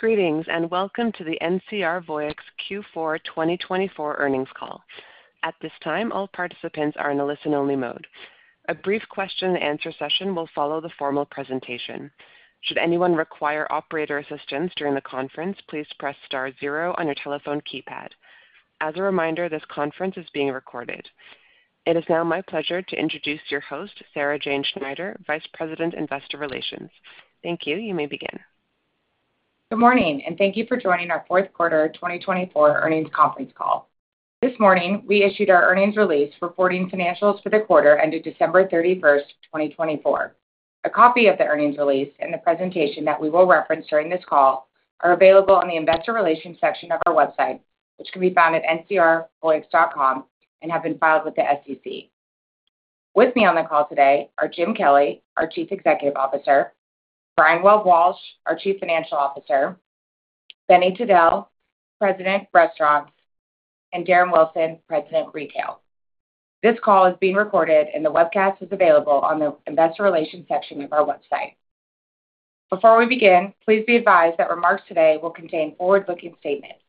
Greetings and welcome to the NCR Voyix Q4 2024 Earnings Call. At this time, all participants are in a listen-only mode. A brief question-and-answer session will follow the formal presentation. Should anyone require operator assistance during the conference, please press star zero on your telephone keypad. As a reminder, this conference is being recorded. It is now my pleasure to introduce your host, Sarah Jane Schneider, Vice President, Investor Relations. Thank you. You may begin. Good morning, and thank you for joining our fourth quarter 2024 earnings conference call. This morning, we issued our earnings release reporting financials for the quarter ended December 31st, 2024. A copy of the earnings release and the presentation that we will reference during this call are available on the Investor Relations section of our website, which can be found at ncrvoyix.com and have been filed with the SEC. With me on the call today are Jim Kelly, our Chief Executive Officer; Brian Webb-Walsh, our Chief Financial Officer; Benny Tadele, President, Restaurants; and Darren Wilson, President, Retail. This call is being recorded, and the webcast is available on the Investor Relations section of our website. Before we begin, please be advised that remarks today will contain forward-looking statements.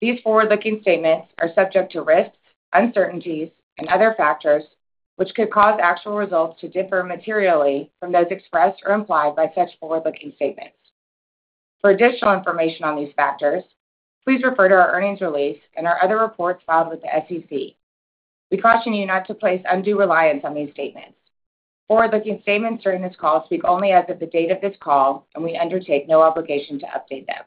These forward-looking statements are subject to risks, uncertainties, and other factors which could cause actual results to differ materially from those expressed or implied by such forward-looking statements. For additional information on these factors, please refer to our earnings release and our other reports filed with the SEC. We caution you not to place undue reliance on these statements. Forward-looking statements during this call speak only as of the date of this call, and we undertake no obligation to update them.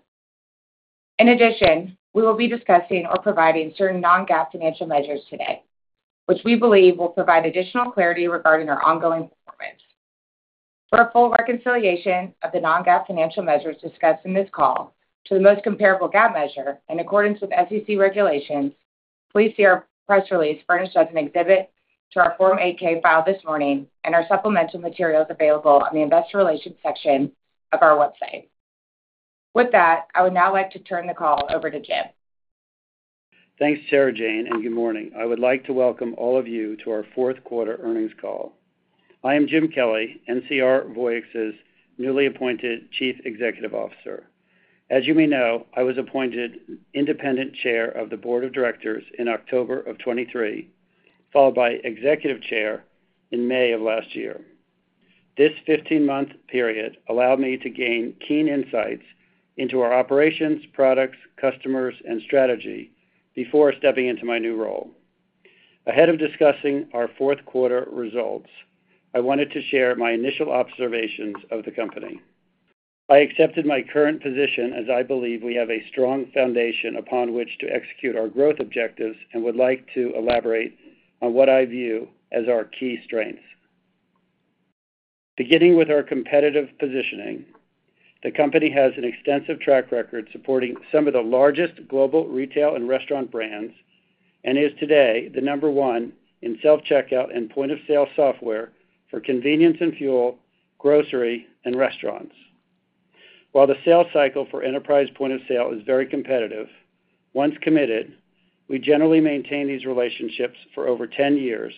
In addition, we will be discussing or providing certain non-GAAP financial measures today, which we believe will provide additional clarity regarding our ongoing performance. For a full reconciliation of the non-GAAP financial measures discussed in this call to the most comparable GAAP measure in accordance with SEC regulations, please see our press release furnished as an exhibit to our Form 8-K filed this morning and our supplemental materials available on the Investor Relations section of our website. With that, I would now like to turn the call over to Jim. Thanks, Sarah Jane, and good morning. I would like to welcome all of you to our fourth quarter earnings call. I am Jim Kelly, NCR Voyix's newly appointed Chief Executive Officer. As you may know, I was appointed Independent Chair of the Board of Directors in October of 2023, followed by Executive Chair in May of last year. This 15-month period allowed me to gain keen insights into our operations, products, customers, and strategy before stepping into my new role. Ahead of discussing our fourth quarter results, I wanted to share my initial observations of the company. I accepted my current position as I believe we have a strong foundation upon which to execute our growth objectives and would like to elaborate on what I view as our key strengths. Beginning with our competitive positioning, the company has an extensive track record supporting some of the largest global retail and restaurant brands and is today the number one in self-checkout and point-of-sale software for convenience and fuel, grocery, and restaurants. While the sales cycle for enterprise point-of-sale is very competitive, once committed, we generally maintain these relationships for over 10 years,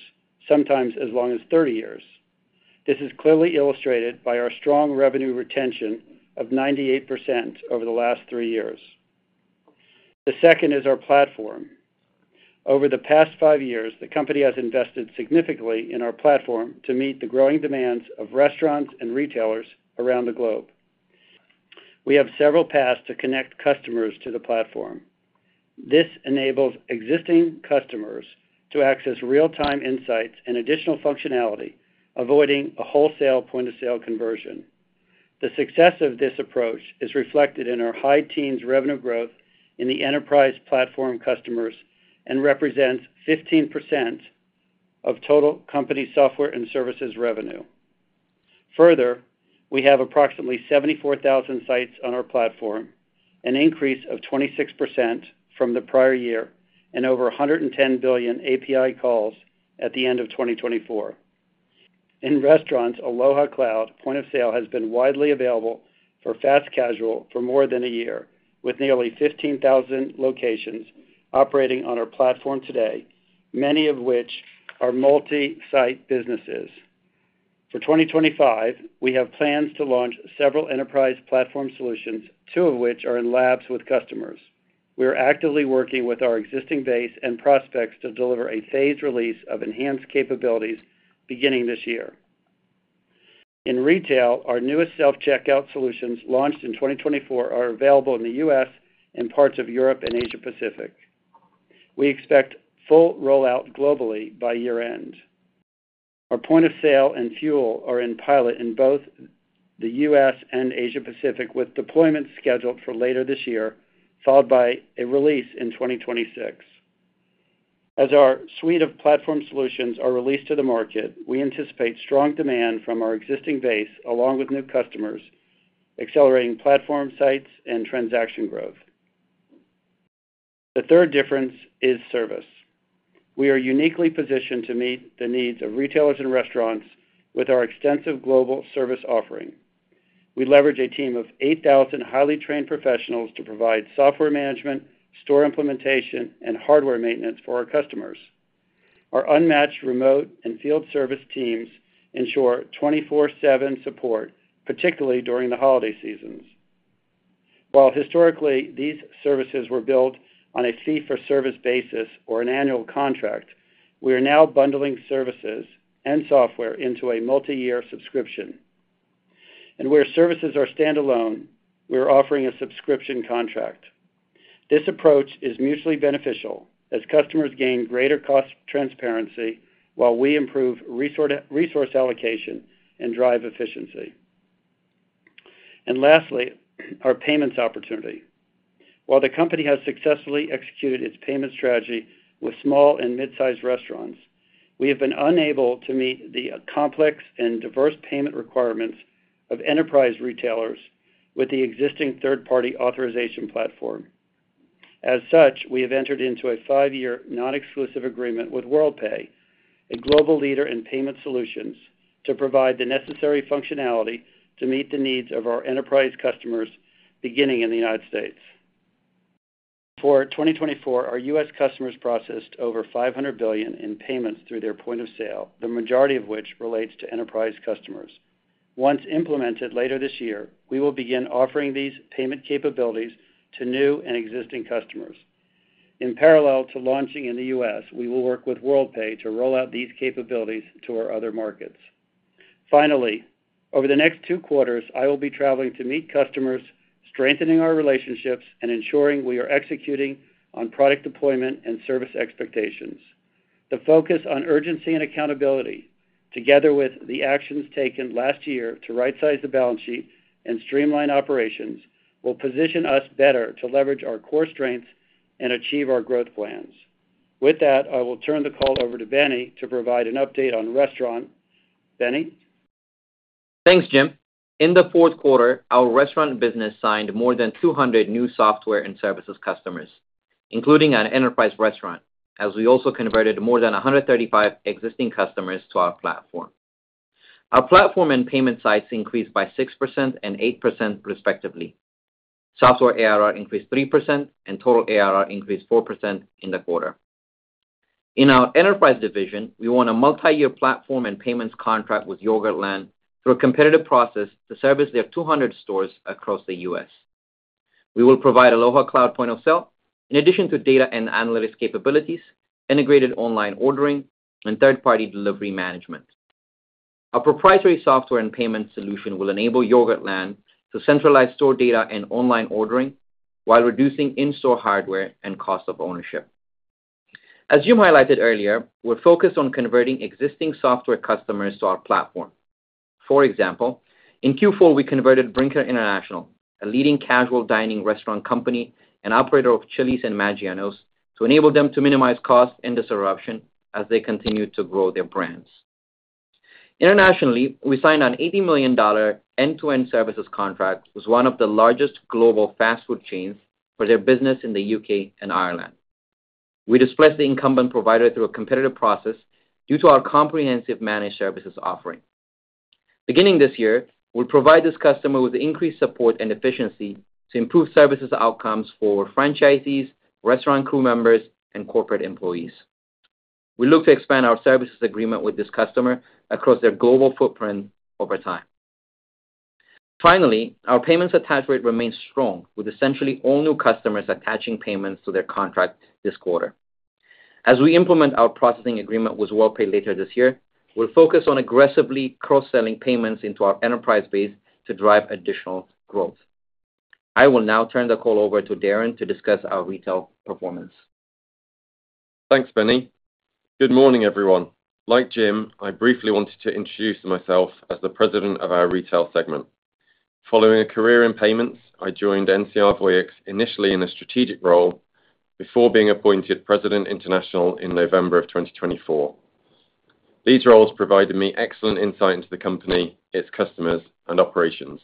sometimes as long as 30 years. This is clearly illustrated by our strong revenue retention of 98% over the last three years. The second is our platform. Over the past five years, the company has invested significantly in our platform to meet the growing demands of restaurants and retailers around the globe. We have several paths to connect customers to the platform. This enables existing customers to access real-time insights and additional functionality, avoiding a wholesale point-of-sale conversion. The success of this approach is reflected in our high teens revenue growth in the enterprise platform customers and represents 15% of total company software and services revenue. Further, we have approximately 74,000 sites on our platform, an increase of 26% from the prior year, and over 110 billion API calls at the end of 2024. In restaurants, Aloha Cloud point-of-sale has been widely available for fast casual for more than a year, with nearly 15,000 locations operating on our platform today, many of which are multi-site businesses. For 2025, we have plans to launch several enterprise platform solutions, two of which are in labs with customers. We are actively working with our existing base and prospects to deliver a phased release of enhanced capabilities beginning this year. In retail, our newest self-checkout solutions launched in 2024 are available in the U.S. and parts of Europe and Asia-Pacific. We expect full rollout globally by year-end. Our point-of-sale and fuel are in pilot in both the U.S. and Asia-Pacific, with deployment scheduled for later this year, followed by a release in 2026. As our suite of platform solutions are released to the market, we anticipate strong demand from our existing base along with new customers, accelerating platform sites and transaction growth. The third difference is service. We are uniquely positioned to meet the needs of retailers and restaurants with our extensive global service offering. We leverage a team of 8,000 highly trained professionals to provide software management, store implementation, and hardware maintenance for our customers. Our unmatched remote and field service teams ensure 24/7 support, particularly during the holiday seasons. While historically these services were built on a fee-for-service basis or an annual contract, we are now bundling services and software into a multi-year subscription. Where services are standalone, we are offering a subscription contract. This approach is mutually beneficial as customers gain greater cost transparency while we improve resource allocation and drive efficiency. Lastly, our payments opportunity. While the company has successfully executed its payment strategy with small and mid-sized restaurants, we have been unable to meet the complex and diverse payment requirements of enterprise retailers with the existing third-party authorization platform. As such, we have entered into a five-year non-exclusive agreement with Worldpay, a global leader in payment solutions, to provide the necessary functionality to meet the needs of our enterprise customers beginning in the United States. For 2024, our U.S. customers processed over $500 billion in payments through their point of sale, the majority of which relates to enterprise customers. Once implemented later this year, we will begin offering these payment capabilities to new and existing customers. In parallel to launching in the U.S., we will work with Worldpay to roll out these capabilities to our other markets. Finally, over the next two quarters, I will be traveling to meet customers, strengthening our relationships and ensuring we are executing on product deployment and service expectations. The focus on urgency and accountability, together with the actions taken last year to right-size the balance sheet and streamline operations, will position us better to leverage our core strengths and achieve our growth plans. With that, I will turn the call over to Benny to provide an update on restaurant. Benny? Thanks, Jim. In the fourth quarter, our restaurant business signed more than 200 new software and services customers, including an enterprise restaurant, as we also converted more than 135 existing customers to our platform. Our platform and payment sites increased by 6% and 8%, respectively. Software ARR increased 3%, and total ARR increased 4% in the quarter. In our enterprise division, we won a multi-year platform and payments contract with Yogurtland through a competitive process to service their 200 stores across the U.S. We will provide Aloha Cloud point-of-sale in addition to data and analytics capabilities, integrated online ordering, and third-party delivery management. Our proprietary software and payment solution will enable Yogurtland to centralize store data and online ordering while reducing in-store hardware and cost of ownership. As Jim highlighted earlier, we're focused on converting existing software customers to our platform. For example, in Q4, we converted Brinker International, a leading casual dining restaurant company and operator of Chili's and Maggiano's, to enable them to minimize cost and disruption as they continue to grow their brands. Internationally, we signed an $80 million end-to-end services contract with one of the largest global fast food chains for their business in the UK and Ireland. We displaced the incumbent provider through a competitive process due to our comprehensive managed services offering. Beginning this year, we'll provide this customer with increased support and efficiency to improve services outcomes for franchisees, restaurant crew members, and corporate employees. We look to expand our services agreement with this customer across their global footprint over time. Finally, our payments attach rate remains strong, with essentially all new customers attaching payments to their contract this quarter. As we implement our processing agreement with Worldpay later this year, we'll focus on aggressively cross-selling payments into our enterprise base to drive additional growth. I will now turn the call over to Darren to discuss our retail performance. Thanks, Benny. Good morning, everyone. Like Jim, I briefly wanted to introduce myself as the president of our retail segment. Following a career in payments, I joined NCR Voyix initially in a strategic role before being appointed President International in November of 2024. These roles provided me excellent insight into the company, its customers, and operations.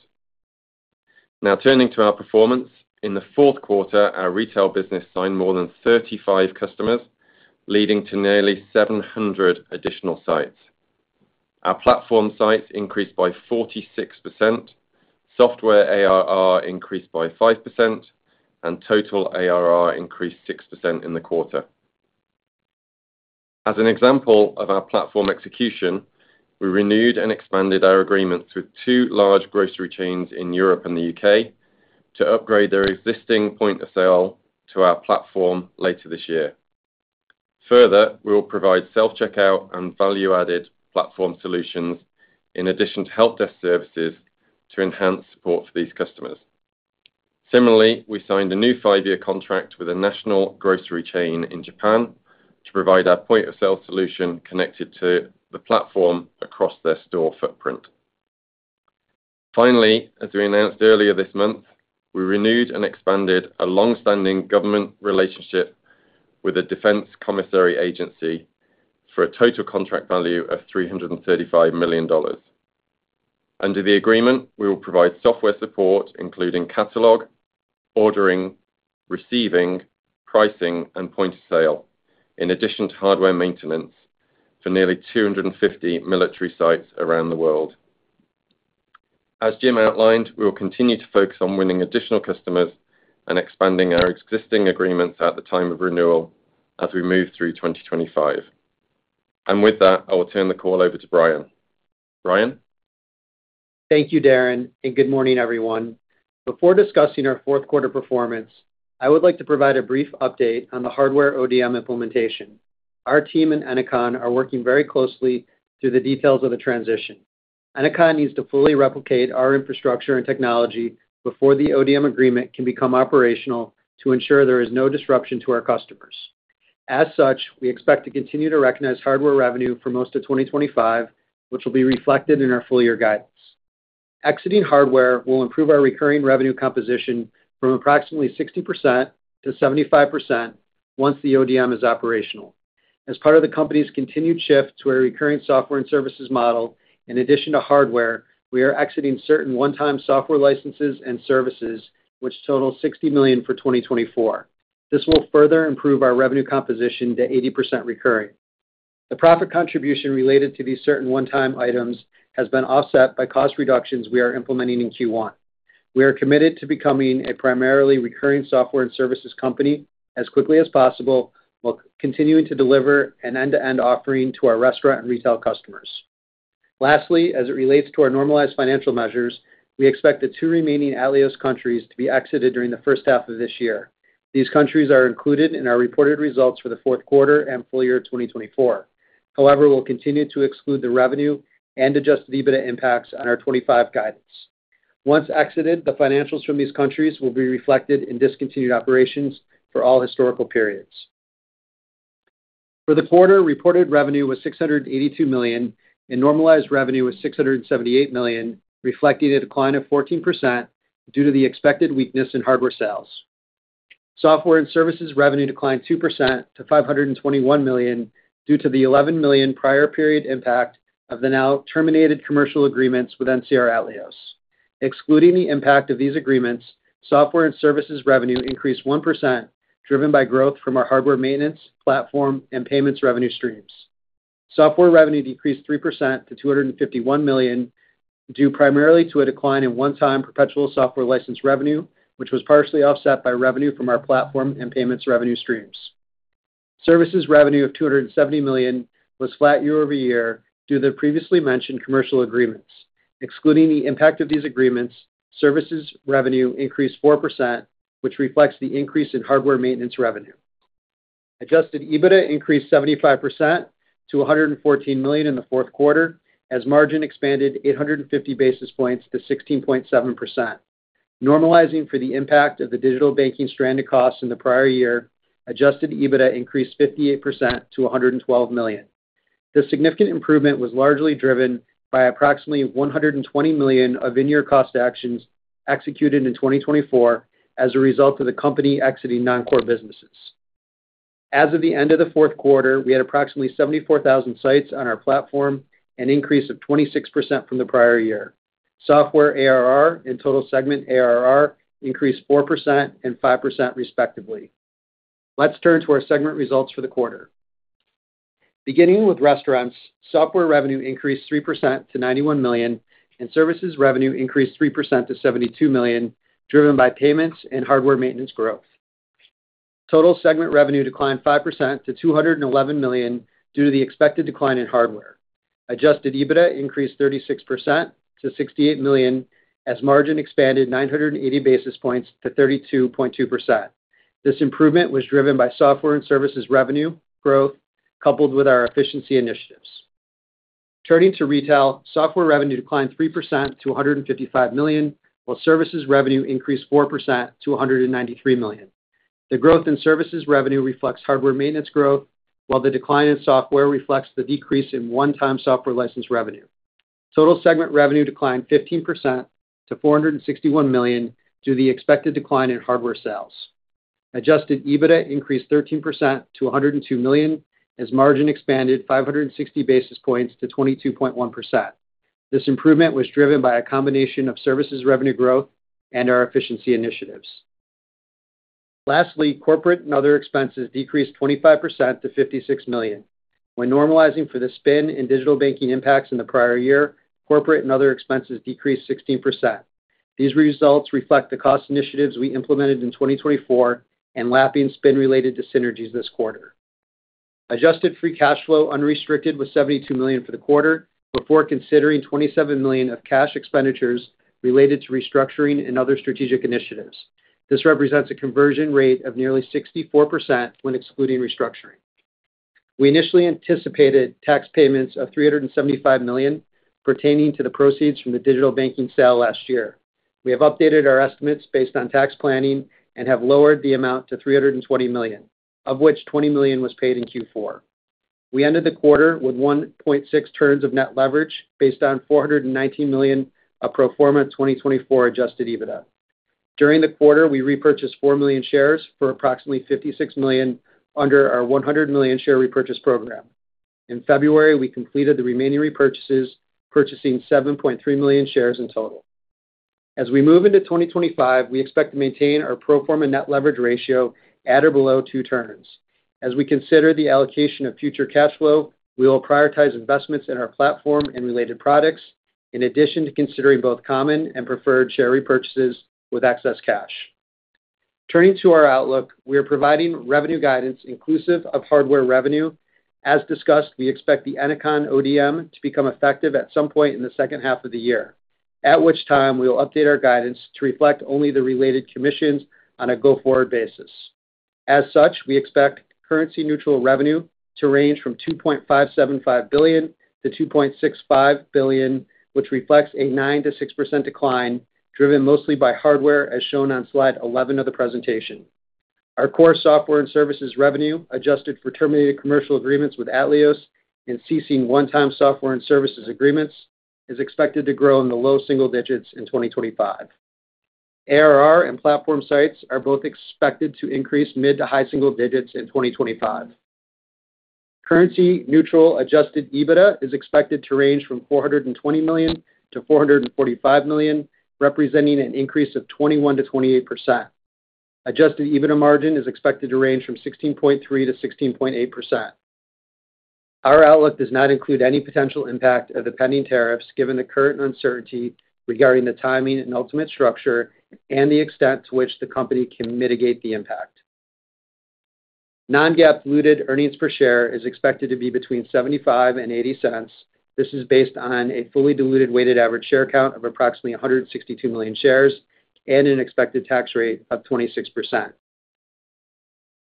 Now turning to our performance, in the fourth quarter, our retail business signed more than 35 customers, leading to nearly 700 additional sites. Our platform sites increased by 46%, software ARR increased by 5%, and total ARR increased 6% in the quarter. As an example of our platform execution, we renewed and expanded our agreements with two large grocery chains in Europe and the U.K. to upgrade their existing point-of-sale to our platform later this year. Further, we will provide self-checkout and value-added platform solutions in addition to help desk services to enhance support for these customers. Similarly, we signed a new five-year contract with a national grocery chain in Japan to provide our point-of-sale solution connected to the platform across their store footprint. Finally, as we announced earlier this month, we renewed and expanded a long-standing government relationship with a Defense Commissary Agency for a total contract value of $335 million. Under the agreement, we will provide software support, including catalog, ordering, receiving, pricing, and point-of-sale, in addition to hardware maintenance for nearly 250 military sites around the world. As Jim outlined, we will continue to focus on winning additional customers and expanding our existing agreements at the time of renewal as we move through 2025. With that, I will turn the call over to Brian. Brian. Thank you, Darren, and good morning, everyone. Before discussing our fourth quarter performance, I would like to provide a brief update on the hardware ODM implementation. Our team and Ennoconn are working very closely through the details of the transition. Ennoconn needs to fully replicate our infrastructure and technology before the ODM agreement can become operational to ensure there is no disruption to our customers. As such, we expect to continue to recognize hardware revenue for most of 2025, which will be reflected in our full-year guidance. Exiting hardware will improve our recurring revenue composition from approximately 60% to 75% once the ODM is operational. As part of the company's continued shift to a recurring software and services model, in addition to hardware, we are exiting certain one-time software licenses and services, which total $60 million for 2024. This will further improve our revenue composition to 80% recurring. The profit contribution related to these certain one-time items has been offset by cost reductions we are implementing in Q1. We are committed to becoming a primarily recurring software and services company as quickly as possible, while continuing to deliver an end-to-end offering to our restaurant and retail customers. Lastly, as it relates to our normalized financial measures, we expect the two remaining Atleos countries to be exited during the first half of this year. These countries are included in our reported results for the fourth quarter and full year 2024. However, we'll continue to exclude the revenue and adjust the EBITDA impacts on our '25 guidance. Once exited, the financials from these countries will be reflected in discontinued operations for all historical periods. For the quarter, reported revenue was $682 million, and normalized revenue was $678 million, reflecting a decline of 14% due to the expected weakness in hardware sales. Software and services revenue declined 2% to $521 million due to the $11 million prior period impact of the now terminated commercial agreements with NCR Atleos. Excluding the impact of these agreements, software and services revenue increased 1%, driven by growth from our hardware maintenance, platform, and payments revenue streams. Software revenue decreased 3% to $251 million due primarily to a decline in one-time perpetual software license revenue, which was partially offset by revenue from our platform and payments revenue streams. Services revenue of $270 million was flat year-over-year due to the previously mentioned commercial agreements. Excluding the impact of these agreements, services revenue increased 4%, which reflects the increase in hardware maintenance revenue. Adjusted EBITDA increased 75% to $114 million in the fourth quarter, as margin expanded 850 basis points to 16.7%. Normalizing for the impact of the digital banking stranded costs in the prior year, adjusted EBITDA increased 58% to $112 million. This significant improvement was largely driven by approximately $120 million of in-year cost actions executed in 2024 as a result of the company exiting non-core businesses. As of the end of the fourth quarter, we had approximately 74,000 sites on our platform, an increase of 26% from the prior year. Software ARR and total segment ARR increased 4% and 5%, respectively. Let's turn to our segment results for the quarter. Beginning with restaurants, software revenue increased 3% to $91 million, and services revenue increased 3% to $72 million, driven by payments and hardware maintenance growth. Total segment revenue declined 5% to $211 million due to the expected decline in hardware. Adjusted EBITDA increased 36% to $68 million, as margin expanded 980 basis points to 32.2%. This improvement was driven by software and services revenue growth, coupled with our efficiency initiatives. Turning to retail, software revenue declined 3% to $155 million, while services revenue increased 4% to $193 million. The growth in services revenue reflects hardware maintenance growth, while the decline in software reflects the decrease in one-time software license revenue. Total segment revenue declined 15% to $461 million due to the expected decline in hardware sales. Adjusted EBITDA increased 13% to $102 million, as margin expanded 560 basis points to 22.1%. This improvement was driven by a combination of services revenue growth and our efficiency initiatives. Lastly, corporate and other expenses decreased 25% to $56 million. When normalizing for the spin and digital banking impacts in the prior year, corporate and other expenses decreased 16%. These results reflect the cost initiatives we implemented in 2024 and lapping spin-related costs to synergies this quarter. Adjusted free cash flow unrestricted was $72 million for the quarter, before considering $27 million of cash expenditures related to restructuring and other strategic initiatives. This represents a conversion rate of nearly 64% when excluding restructuring. We initially anticipated tax payments of $375 million pertaining to the proceeds from the digital banking sale last year. We have updated our estimates based on tax planning and have lowered the amount to $320 million, of which $20 million was paid in Q4. We ended the quarter with 1.6 turns of net leverage based on $419 million of pro forma 2024 adjusted EBITDA. During the quarter, we repurchased four million shares for approximately $56 million under our $100 million share repurchase program. In February, we completed the remaining repurchases, purchasing 7.3 million shares in total. As we move into 2025, we expect to maintain our pro forma net leverage ratio at or below two turns. As we consider the allocation of future cash flow, we will prioritize investments in our platform and related products, in addition to considering both common and preferred share repurchases with excess cash. Turning to our outlook, we are providing revenue guidance inclusive of hardware revenue. As discussed, we expect the Ennoconn ODM to become effective at some point in the second half of the year, at which time we will update our guidance to reflect only the related commissions on a go-forward basis. As such, we expect currency-neutral revenue to range from $2.575 billion-$2.65 billion, which reflects a 9%-6% decline, driven mostly by hardware, as shown on slide 11 of the presentation. Our core software and services revenue, adjusted for terminated commercial agreements with Atleos and ceasing one-time software and services agreements, is expected to grow in the low single digits in 2025. ARR and platform sites are both expected to increase mid to high single digits in 2025. Currency-neutral adjusted EBITDA is expected to range from $420 million-$445 million, representing an increase of 21%-28%. Adjusted EBITDA margin is expected to range from 16.3%-16.8%. Our outlook does not include any potential impact of the pending tariffs, given the current uncertainty regarding the timing and ultimate structure and the extent to which the company can mitigate the impact. Non-GAAP diluted earnings per share is expected to be between $0.75 and $0.80. This is based on a fully diluted weighted average share count of approximately 162 million shares and an expected tax rate of 26%.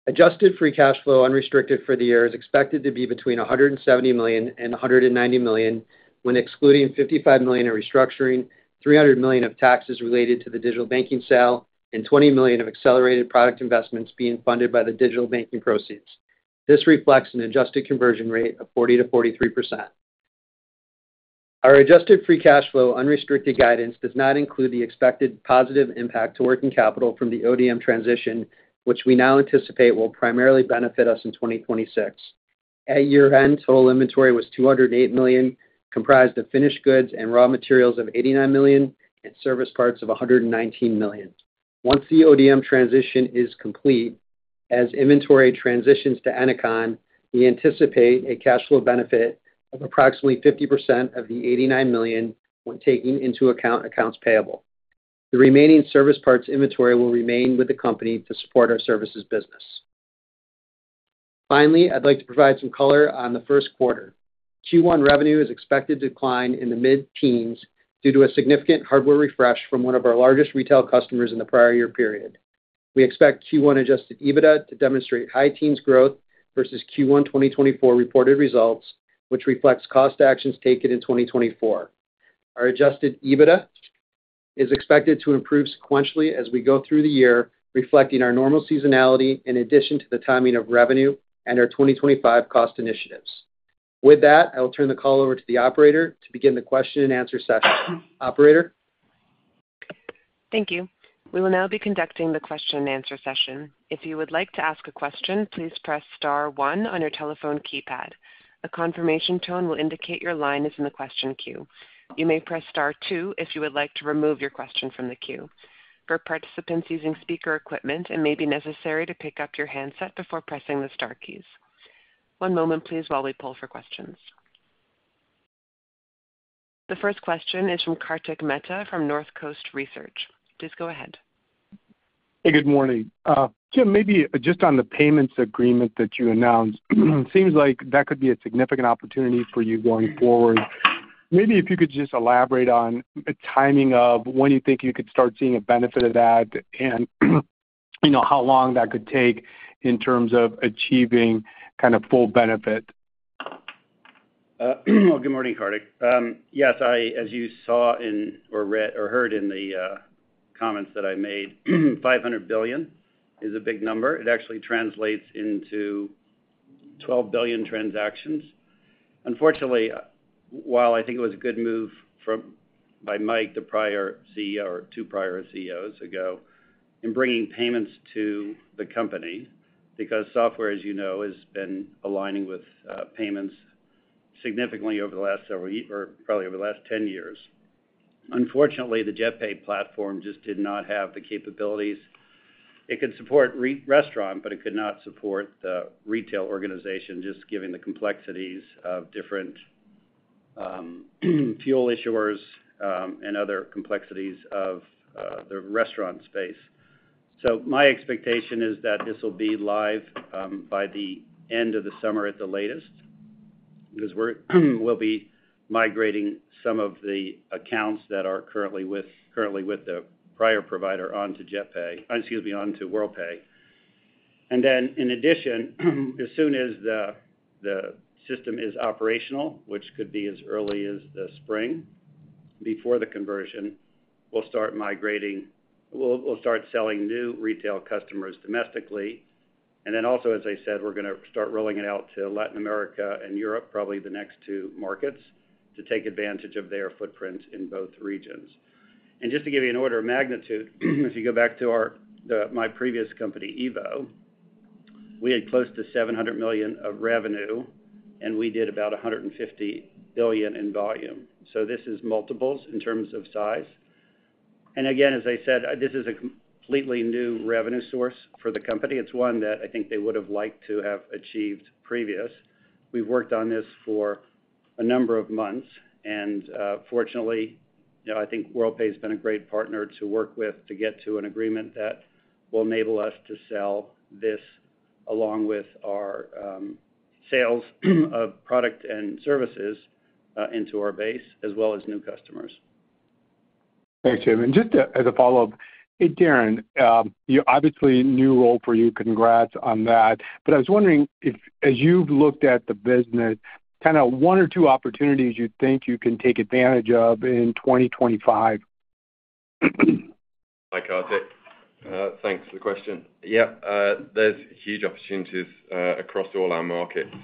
Adjusted free cash flow unrestricted for the year is expected to be between $170 million and $190 million when excluding $55 million of restructuring, $300 million of taxes related to the digital banking sale, and $20 million of accelerated product investments being funded by the digital banking proceeds. This reflects an adjusted conversion rate of 40% to 43%. Our adjusted free cash flow unrestricted guidance does not include the expected positive impact to working capital from the ODM transition, which we now anticipate will primarily benefit us in 2026. At year-end, total inventory was $208 million, comprised of finished goods and raw materials of $89 million and service parts of $119 million. Once the ODM transition is complete, as inventory transitions to Ennoconn, we anticipate a cash flow benefit of approximately 50% of the $89 million when taking into account accounts payable. The remaining service parts inventory will remain with the company to support our services business. Finally, I'd like to provide some color on the first quarter. Q1 revenue is expected to decline in the mid-teens due to a significant hardware refresh from one of our largest retail customers in the prior year period. We expect Q1 adjusted EBITDA to demonstrate high teens growth versus Q1 2024 reported results, which reflects cost actions taken in 2024. Our adjusted EBITDA is expected to improve sequentially as we go through the year, reflecting our normal seasonality in addition to the timing of revenue and our 2025 cost initiatives. With that, I will turn the call over to the operator to begin the question-and-answer session. Operator. Thank you. We will now be conducting the question-and-answer session. If you would like to ask a question, please press star one on your telephone keypad. A confirmation tone will indicate your line is in the question queue. You may press star two if you would like to remove your question from the queue. For participants using speaker equipment, it may be necessary to pick up your handset before pressing the star keys. One moment, please, while we pull for questions. The first question is from Kartik Mehta from Northcoast Research. Please go ahead. Hey, good morning. Jim, maybe just on the payments agreement that you announced, it seems like that could be a significant opportunity for you going forward. Maybe if you could just elaborate on the timing of when you think you could start seeing a benefit of that and how long that could take in terms of achieving kind of full benefit? Good morning, Kartik. Yes, as you saw or heard in the comments that I made, $500 billion is a big number. It actually translates into 12 billion transactions. Unfortunately, while I think it was a good move by Mike, the prior CEO, or two prior CEOs ago, in bringing payments to the company because software, as you know, has been aligning with payments significantly over the last several or probably over the last 10 years. Unfortunately, the JetPay platform just did not have the capabilities. It could support restaurant, but it could not support the retail organization, just given the complexities of different fuel issuers and other complexities of the restaurant space. So my expectation is that this will be live by the end of the summer at the latest because we'll be migrating some of the accounts that are currently with the prior provider onto JetPay, excuse me, onto Worldpay. And then, in addition, as soon as the system is operational, which could be as early as the spring before the conversion, we'll start migrating, we'll start selling new retail customers domestically. And then also, as I said, we're going to start rolling it out to Latin America and Europe, probably the next two markets, to take advantage of their footprint in both regions. And just to give you an order of magnitude, if you go back to my previous company, EVO, we had close to $700 million of revenue, and we did about $150 billion in volume. So this is multiples in terms of size. Again, as I said, this is a completely new revenue source for the company. It's one that I think they would have liked to have achieved previous. We've worked on this for a number of months. Fortunately, I think Worldpay has been a great partner to work with to get to an agreement that will enable us to sell this along with our sales of product and services into our base, as well as new customers. Thanks, Jim. And just as a follow-up, hey, Darren, obviously, new role for you. Congrats on that. But I was wondering if, as you've looked at the business, kind of one or two opportunities you think you can take advantage of in 2025? Hi, Kartik. Thanks for the question. Yeah, there's huge opportunities across all our markets.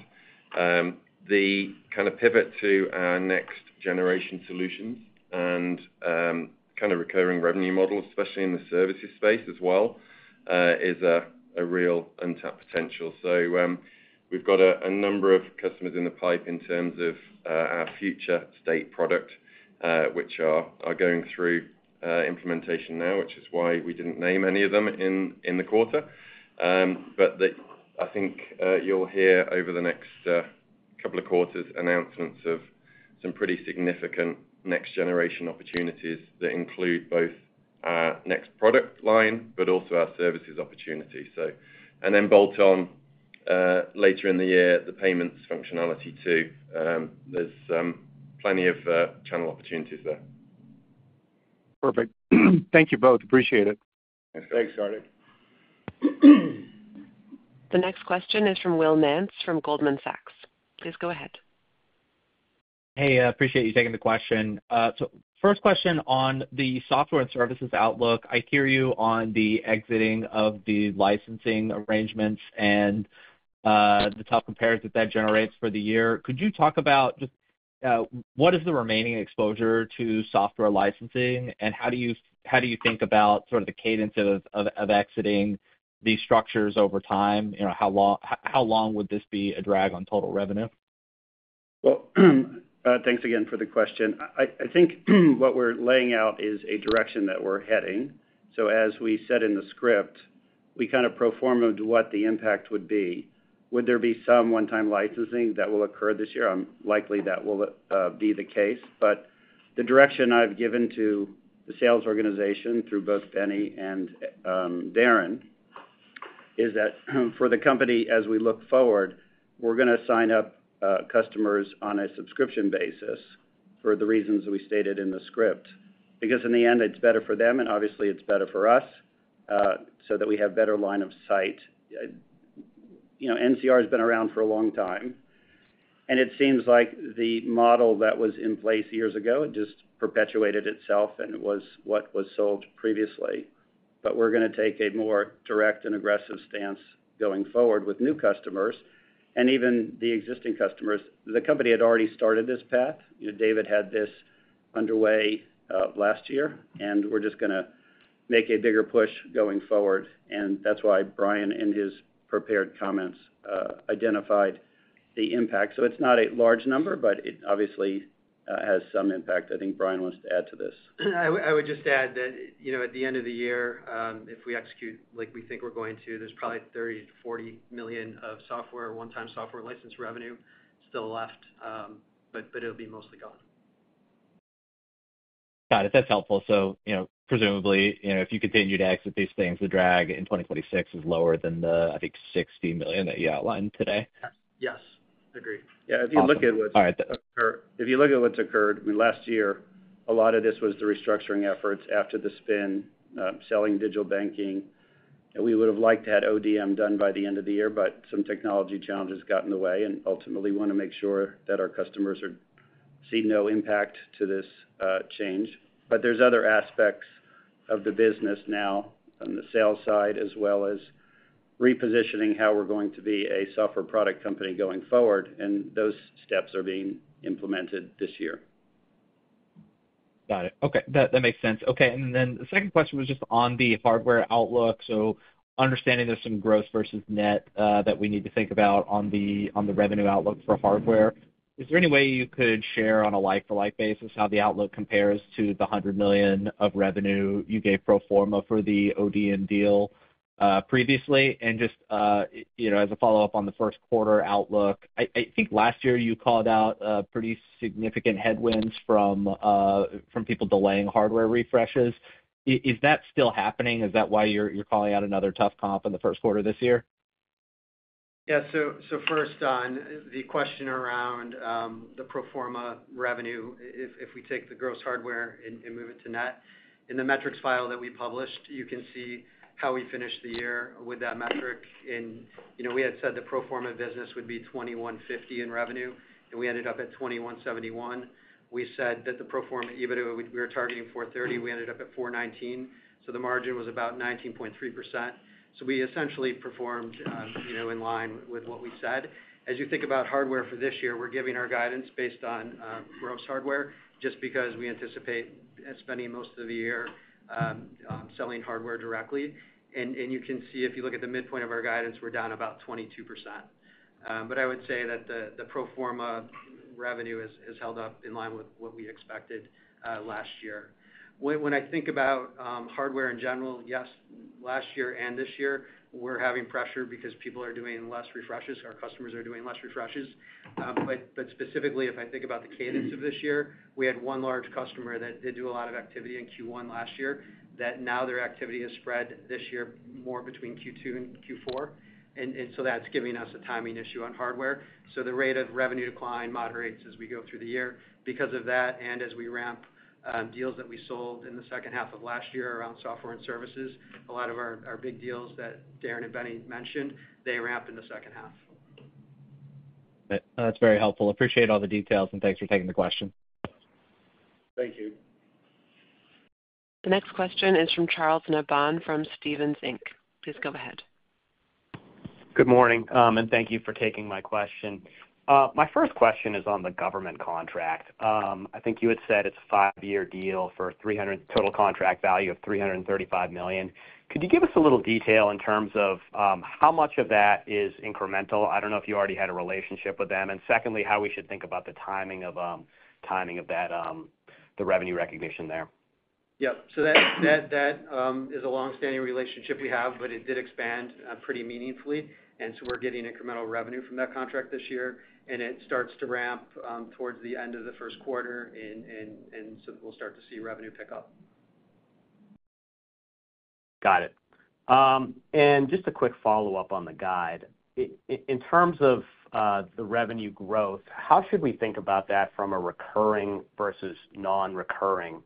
The kind of pivot to our next-generation solutions and kind of recurring revenue models, especially in the services space as well, is a real untapped potential. So we've got a number of customers in the pipeline in terms of our future state product, which are going through implementation now, which is why we didn't name any of them in the quarter. But I think you'll hear over the next couple of quarters announcements of some pretty significant next-generation opportunities that include both our next product line but also our services opportunities. And then bolt-on later in the year, the payments functionality too. There's plenty of channel opportunities there. Perfect. Thank you both. Appreciate it. Thanks, Kartik. The next question is from Will Nance from Goldman Sachs. Please go ahead. Hey, appreciate you taking the question. So first question on the software and services outlook. I hear you on the exiting of the licensing arrangements and the tough comparison that that generates for the year. Could you talk about just what is the remaining exposure to software licensing, and how do you think about sort of the cadence of exiting these structures over time? How long would this be a drag on total revenue? Thanks again for the question. I think what we're laying out is a direction that we're heading. As we said in the script, we kind of pro forma what the impact would be. Would there be some one-time licensing that will occur this year? Likely that will be the case. The direction I've given to the sales organization through both Benny and Darren is that for the company, as we look forward, we're going to sign up customers on a subscription basis for the reasons that we stated in the script because in the end, it's better for them, and obviously, it's better for us so that we have better line of sight. NCR has been around for a long time, and it seems like the model that was in place years ago just perpetuated itself and was what was sold previously. But we're going to take a more direct and aggressive stance going forward with new customers and even the existing customers. The company had already started this path. David had this underway last year, and we're just going to make a bigger push going forward. And that's why Brian and his prepared comments identified the impact. So it's not a large number, but it obviously has some impact. I think Brian wants to add to this. I would just add that at the end of the year, if we execute like we think we're going to, there's probably $30 million-$40 million of software, one-time software license revenue still left, but it'll be mostly gone. Got it. That's helpful. So presumably, if you continue to exit these things, the drag in 2026 is lower than the, I think, $60 million that you outlined today. Yes. Yes. Agreed. Yeah. If you look at what's. All right. If you look at what's occurred last year, a lot of this was the restructuring efforts after the spin, selling digital banking. We would have liked to have ODM done by the end of the year, but some technology challenges got in the way, and ultimately, we want to make sure that our customers see no impact to this change. But there's other aspects of the business now on the sales side, as well as repositioning how we're going to be a software product company going forward, and those steps are being implemented this year. Got it. Okay. That makes sense. Okay. And then the second question was just on the hardware outlook. So understanding there's some gross versus net that we need to think about on the revenue outlook for hardware. Is there any way you could share on a like-for-like basis how the outlook compares to the $100 million of revenue you gave pro forma for the ODM deal previously? And just as a follow-up on the first quarter outlook, I think last year you called out pretty significant headwinds from people delaying hardware refreshes. Is that still happening? Is that why you're calling out another tough comp in the first quarter this year? Yeah. So first on the question around the pro forma revenue, if we take the gross hardware and move it to net, in the metrics file that we published, you can see how we finished the year with that metric. And we had said the pro forma business would be $2,150 in revenue, and we ended up at $2,171. We said that the pro forma, even though we were targeting $430, we ended up at $419. So the margin was about 19.3%. So we essentially performed in line with what we said. As you think about hardware for this year, we're giving our guidance based on gross hardware just because we anticipate spending most of the year selling hardware directly. And you can see if you look at the midpoint of our guidance, we're down about 22%. But I would say that the pro forma revenue has held up in line with what we expected last year. When I think about hardware in general, yes, last year and this year, we're having pressure because people are doing less refreshes. Our customers are doing less refreshes. But specifically, if I think about the cadence of this year, we had one large customer that did do a lot of activity in Q1 last year that now their activity has spread this year more between Q2 and Q4. And so that's giving us a timing issue on hardware. So the rate of revenue decline moderates as we go through the year because of that. And as we ramp deals that we sold in the second half of last year around software and services, a lot of our big deals that Darren and Benny mentioned, they ramp in the second half. That's very helpful. Appreciate all the details, and thanks for taking the question. Thank you. The next question is from Charles Nabhan from Stephens Inc. Please go ahead. Good morning, and thank you for taking my question. My first question is on the government contract. I think you had said it's a five-year deal for total contract value of $335 million. Could you give us a little detail in terms of how much of that is incremental? I don't know if you already had a relationship with them. And secondly, how we should think about the timing of that, the revenue recognition there? Yep. So that is a long-standing relationship we have, but it did expand pretty meaningfully. And so we're getting incremental revenue from that contract this year, and it starts to ramp towards the end of the first quarter, and so we'll start to see revenue pick up. Got it. And just a quick follow-up on the guide. In terms of the revenue growth, how should we think about that from a recurring versus non-recurring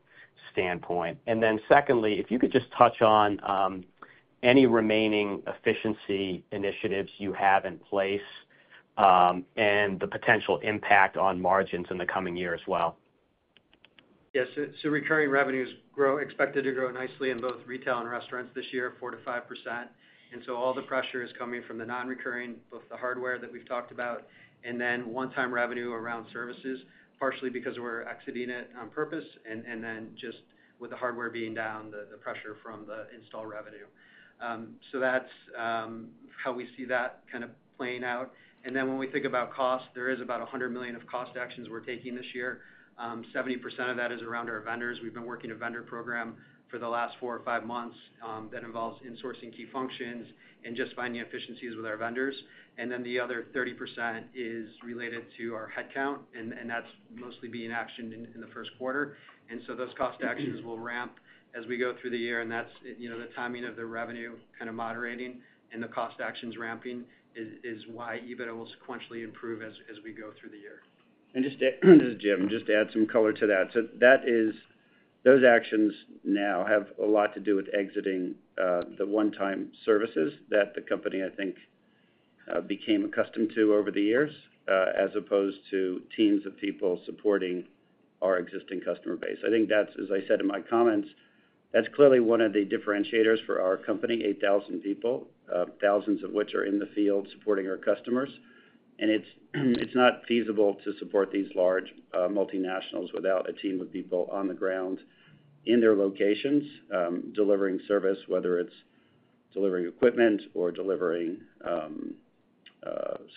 standpoint? And then secondly, if you could just touch on any remaining efficiency initiatives you have in place and the potential impact on margins in the coming year as well. Yes. So recurring revenues expected to grow nicely in both retail and restaurants this year, 4%-5%. And so all the pressure is coming from the non-recurring, both the hardware that we've talked about, and then one-time revenue around services, partially because we're exiting it on purpose, and then just with the hardware being down, the pressure from the install revenue. So that's how we see that kind of playing out. And then when we think about cost, there is about $100 million of cost actions we're taking this year. 70% of that is around our vendors. We've been working a vendor program for the last four or five months that involves insourcing key functions and just finding efficiencies with our vendors. And then the other 30% is related to our headcount, and that's mostly being actioned in the first quarter. And so those cost actions will ramp as we go through the year. And that's the timing of the revenue kind of moderating and the cost actions ramping is why EBITDA will sequentially improve as we go through the year. And this is, Jim, just to add some color to that. So those actions now have a lot to do with exiting the one-time services that the company, I think, became accustomed to over the years, as opposed to teams of people supporting our existing customer base. I think that's, as I said in my comments, that's clearly one of the differentiators for our company, 8,000 people, thousands of which are in the field supporting our customers. And it's not feasible to support these large multinationals without a team of people on the ground in their locations delivering service, whether it's delivering equipment or delivering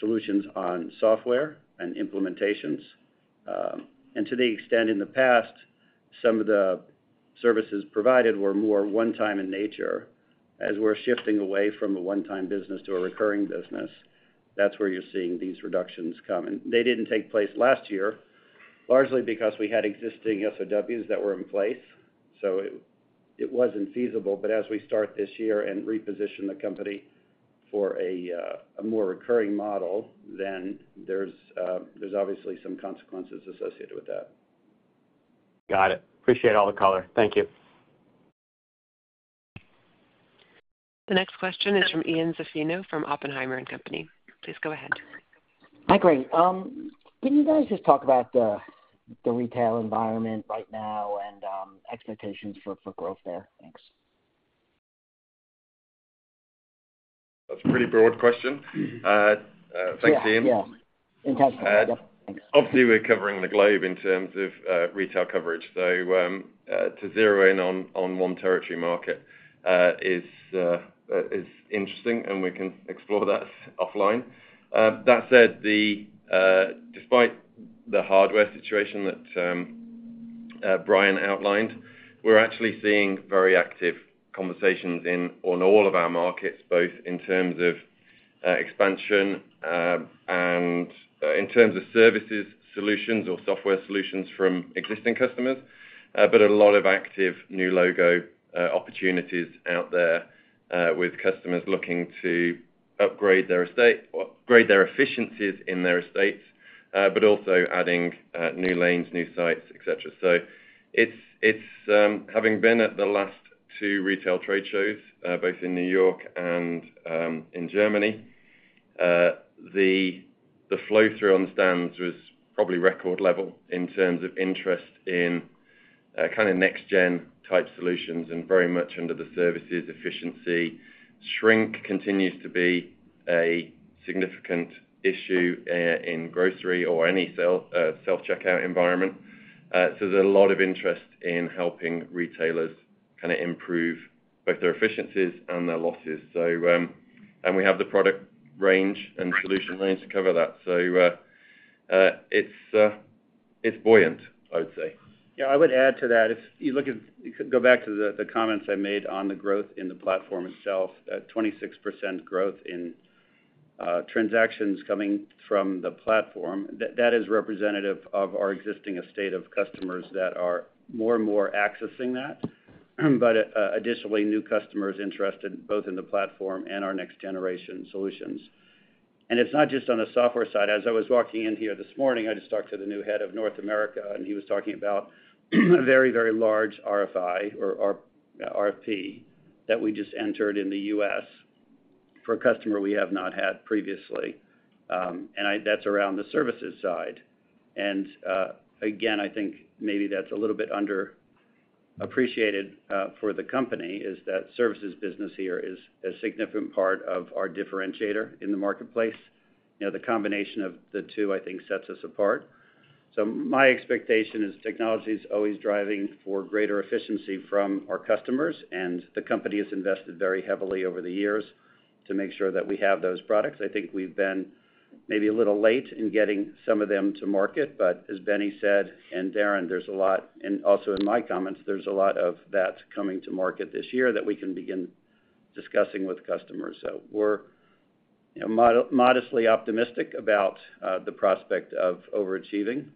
solutions on software and implementations. And to the extent in the past, some of the services provided were more one-time in nature. As we're shifting away from a one-time business to a recurring business, that's where you're seeing these reductions come. They didn't take place last year, largely because we had existing SOWs that were in place. So it wasn't feasible. But as we start this year and reposition the company for a more recurring model, then there's obviously some consequences associated with that. Got it. Appreciate all the color. Thank you. The next question is from Ian Zaffino from Oppenheimer & Company. Please go ahead. Hi, Craig. Can you guys just talk about the retail environment right now and expectations for growth there? Thanks. That's a pretty broad question. Thanks, Ian. Yeah. Fantastic. Hopefully, we're covering the globe in terms of retail coverage, so to zero in on one territory market is interesting, and we can explore that offline. That said, despite the hardware situation that Brian outlined, we're actually seeing very active conversations in all of our markets, both in terms of expansion and in terms of services, solutions, or software solutions from existing customers, but a lot of active new logo opportunities out there with customers looking to upgrade their efficiencies in their estates, but also adding new lanes, new sites, etc., so having been at the last two retail trade shows, both in New York and in Germany, the flow through on the stands was probably record level in terms of interest in kind of next-gen type solutions and very much under the services efficiency. Shrink continues to be a significant issue in grocery or any self-checkout environment. So there's a lot of interest in helping retailers kind of improve both their efficiencies and their losses. And we have the product range and solution range to cover that. So it's buoyant, I would say. Yeah. I would add to that. If you look back to the comments I made on the growth in the platform itself, 26% growth in transactions coming from the platform. That is representative of our existing estate of customers that are more and more accessing that, but additionally, new customers interested both in the platform and our next-generation solutions. And it's not just on the software side. As I was walking in here this morning, I just talked to the new head of North America, and he was talking about a very, very large RFI or RFP that we just entered in the U.S. for a customer we have not had previously. And that's around the services side. And again, I think maybe that's a little bit underappreciated for the company is that services business here is a significant part of our differentiator in the marketplace. The combination of the two, I think, sets us apart. So my expectation is technology is always driving for greater efficiency from our customers, and the company has invested very heavily over the years to make sure that we have those products. I think we've been maybe a little late in getting some of them to market, but as Benny said and Darren, there's a lot, and also in my comments, there's a lot of that coming to market this year that we can begin discussing with customers. So we're modestly optimistic about the prospect of overachieving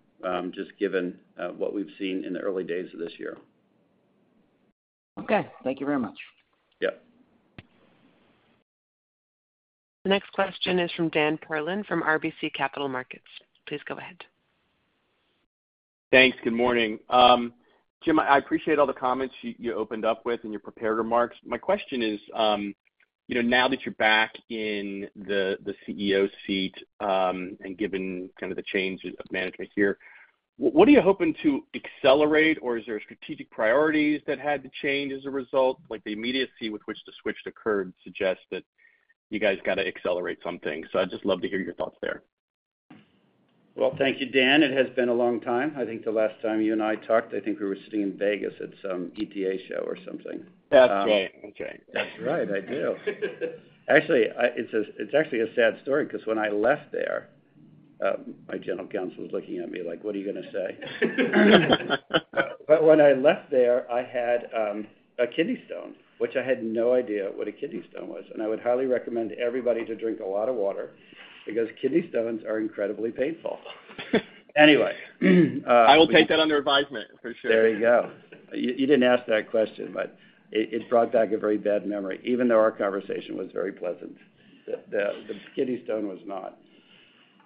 just given what we've seen in the early days of this year. Okay. Thank you very much. Yeah. The next question is from Dan Perlin from RBC Capital Markets. Please go ahead. Thanks. Good morning. Jim, I appreciate all the comments you opened up with and your prepared remarks. My question is, now that you're back in the CEO seat and given kind of the change of management here, what are you hoping to accelerate, or is there strategic priorities that had to change as a result? The immediacy with which the switch occurred suggests that you guys got to accelerate something. So I'd just love to hear your thoughts there. Thank you, Dan. It has been a long time. I think the last time you and I talked, I think we were sitting in Vegas at some ETA show or something. That's right. That's right. I do. Actually, it's actually a sad story because when I left there, my general counsel was looking at me like, "What are you going to say?" But when I left there, I had a kidney stone, which I had no idea what a kidney stone was. And I would highly recommend everybody to drink a lot of water because kidney stones are incredibly painful. Anyway. I will take that under advisement for sure. There you go. You didn't ask that question, but it brought back a very bad memory, even though our conversation was very pleasant. The kidney stone was not.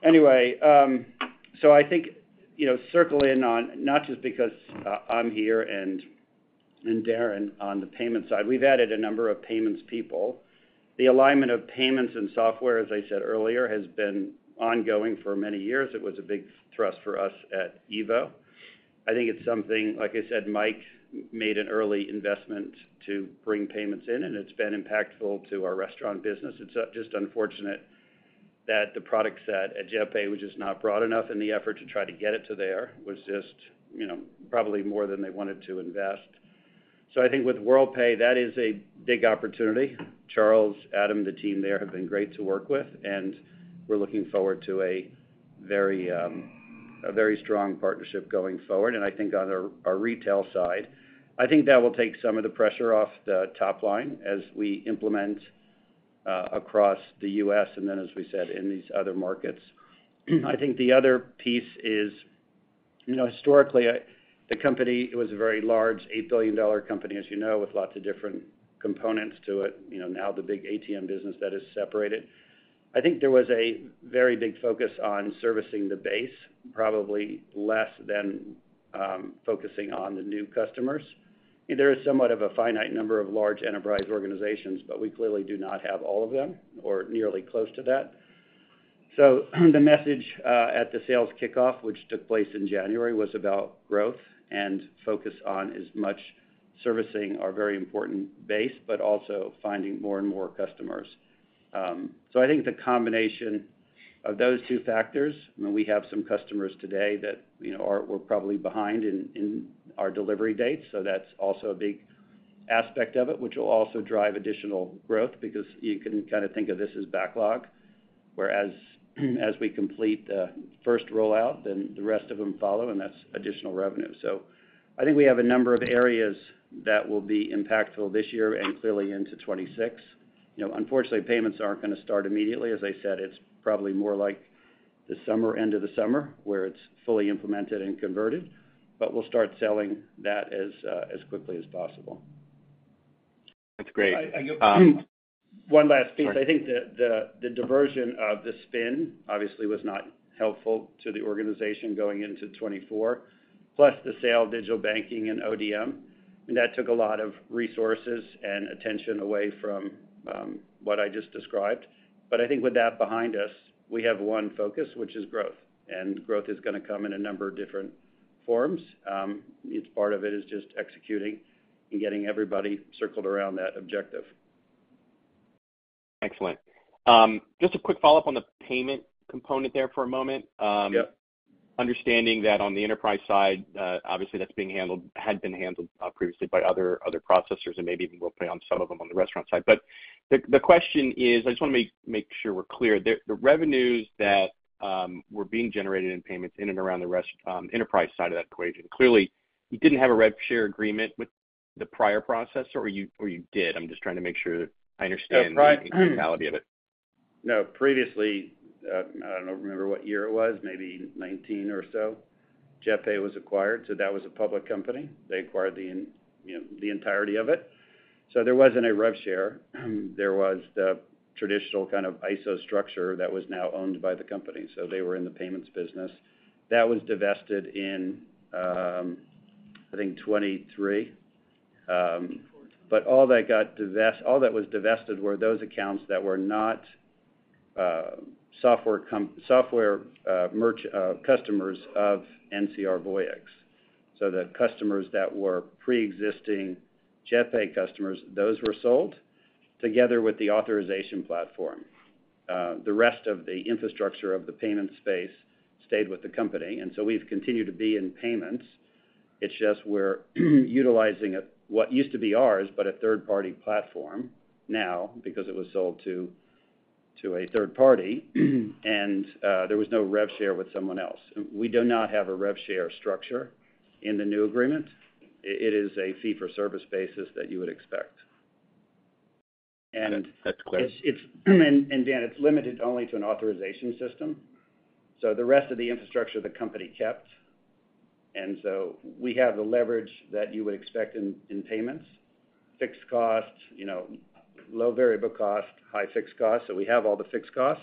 Anyway, so I think circle in on not just because I'm here and Darren on the payment side. We've added a number of payments people. The alignment of payments and software, as I said earlier, has been ongoing for many years. It was a big thrust for us at Evo. I think it's something, like I said, Mike made an early investment to bring payments in, and it's been impactful to our restaurant business. It's just unfortunate that the product set at JetPay, which is not broad enough in the effort to try to get it to there, was just probably more than they wanted to invest. So I think with Worldpay, that is a big opportunity. Charles, Adam, the team there have been great to work with, and we're looking forward to a very strong partnership going forward. I think on our retail side, I think that will take some of the pressure off the top line as we implement across the U.S. and then, as we said, in these other markets. I think the other piece is historically, the company was a very large $8 billion company, as you know, with lots of different components to it. Now, the big ATM business that is separated. I think there was a very big focus on servicing the base, probably less than focusing on the new customers. There is somewhat of a finite number of large enterprise organizations, but we clearly do not have all of them or nearly close to that. So the message at the sales kickoff, which took place in January, was about growth and focus on as much servicing our very important base, but also finding more and more customers. So I think the combination of those two factors, and we have some customers today that we're probably behind in our delivery dates. So that's also a big aspect of it, which will also drive additional growth because you can kind of think of this as backlog. Whereas as we complete the first rollout, then the rest of them follow, and that's additional revenue. So I think we have a number of areas that will be impactful this year and clearly into 2026. Unfortunately, payments aren't going to start immediately. As I said, it's probably more like end of the summer where it's fully implemented and converted, but we'll start selling that as quickly as possible. That's great. One last piece. I think the diversion of the spin obviously was not helpful to the organization going into 2024, plus the sale of digital banking and ODM. That took a lot of resources and attention away from what I just described. But I think with that behind us, we have one focus, which is growth. And growth is going to come in a number of different forms. Part of it is just executing and getting everybody circled around that objective. Excellent. Just a quick follow-up on the payment component there for a moment. Understanding that on the enterprise side, obviously, that had been handled previously by other processors and maybe even will play on some of them on the restaurant side. But the question is, I just want to make sure we're clear. The revenues that were being generated in payments in and around the enterprise side of that equation, clearly, you didn't have a revenue share agreement with the prior processor, or you did? I'm just trying to make sure I understand the totality of it. No, previously, I don't remember what year it was, maybe 2019 or so, JetPay was acquired. So that was a public company. They acquired the entirety of it. So there wasn't a rev share. There was the traditional kind of ISO structure that was now owned by the company. So they were in the payments business. That was divested in, I think, 2023. But all that was divested were those accounts that were not software customers of NCR Voyix. So the customers that were pre-existing JetPay customers, those were sold together with the authorization platform. The rest of the infrastructure of the payment space stayed with the company. And so we've continued to be in payments. It's just we're utilizing what used to be ours, but a third-party platform now because it was sold to a third party, and there was no rev share with someone else. We do not have a rev share structure in the new agreement. It is a fee-for-service basis that you would expect. That's clear. Dan, it's limited only to an authorization system. The rest of the infrastructure the company kept. We have the leverage that you would expect in payments: fixed cost, low variable cost, high fixed cost. We have all the fixed cost.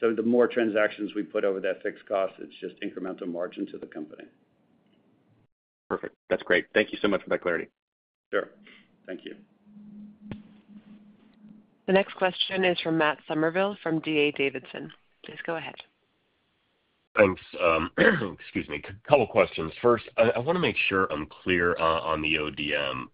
The more transactions we put over that fixed cost, it's just incremental margin to the company. Perfect. That's great. Thank you so much for that clarity. Sure. Thank you. The next question is from Matt Summerville from D.A. Davidson. Please go ahead. Thanks. Excuse me. A couple of questions. First, I want to make sure I'm clear on the ODM.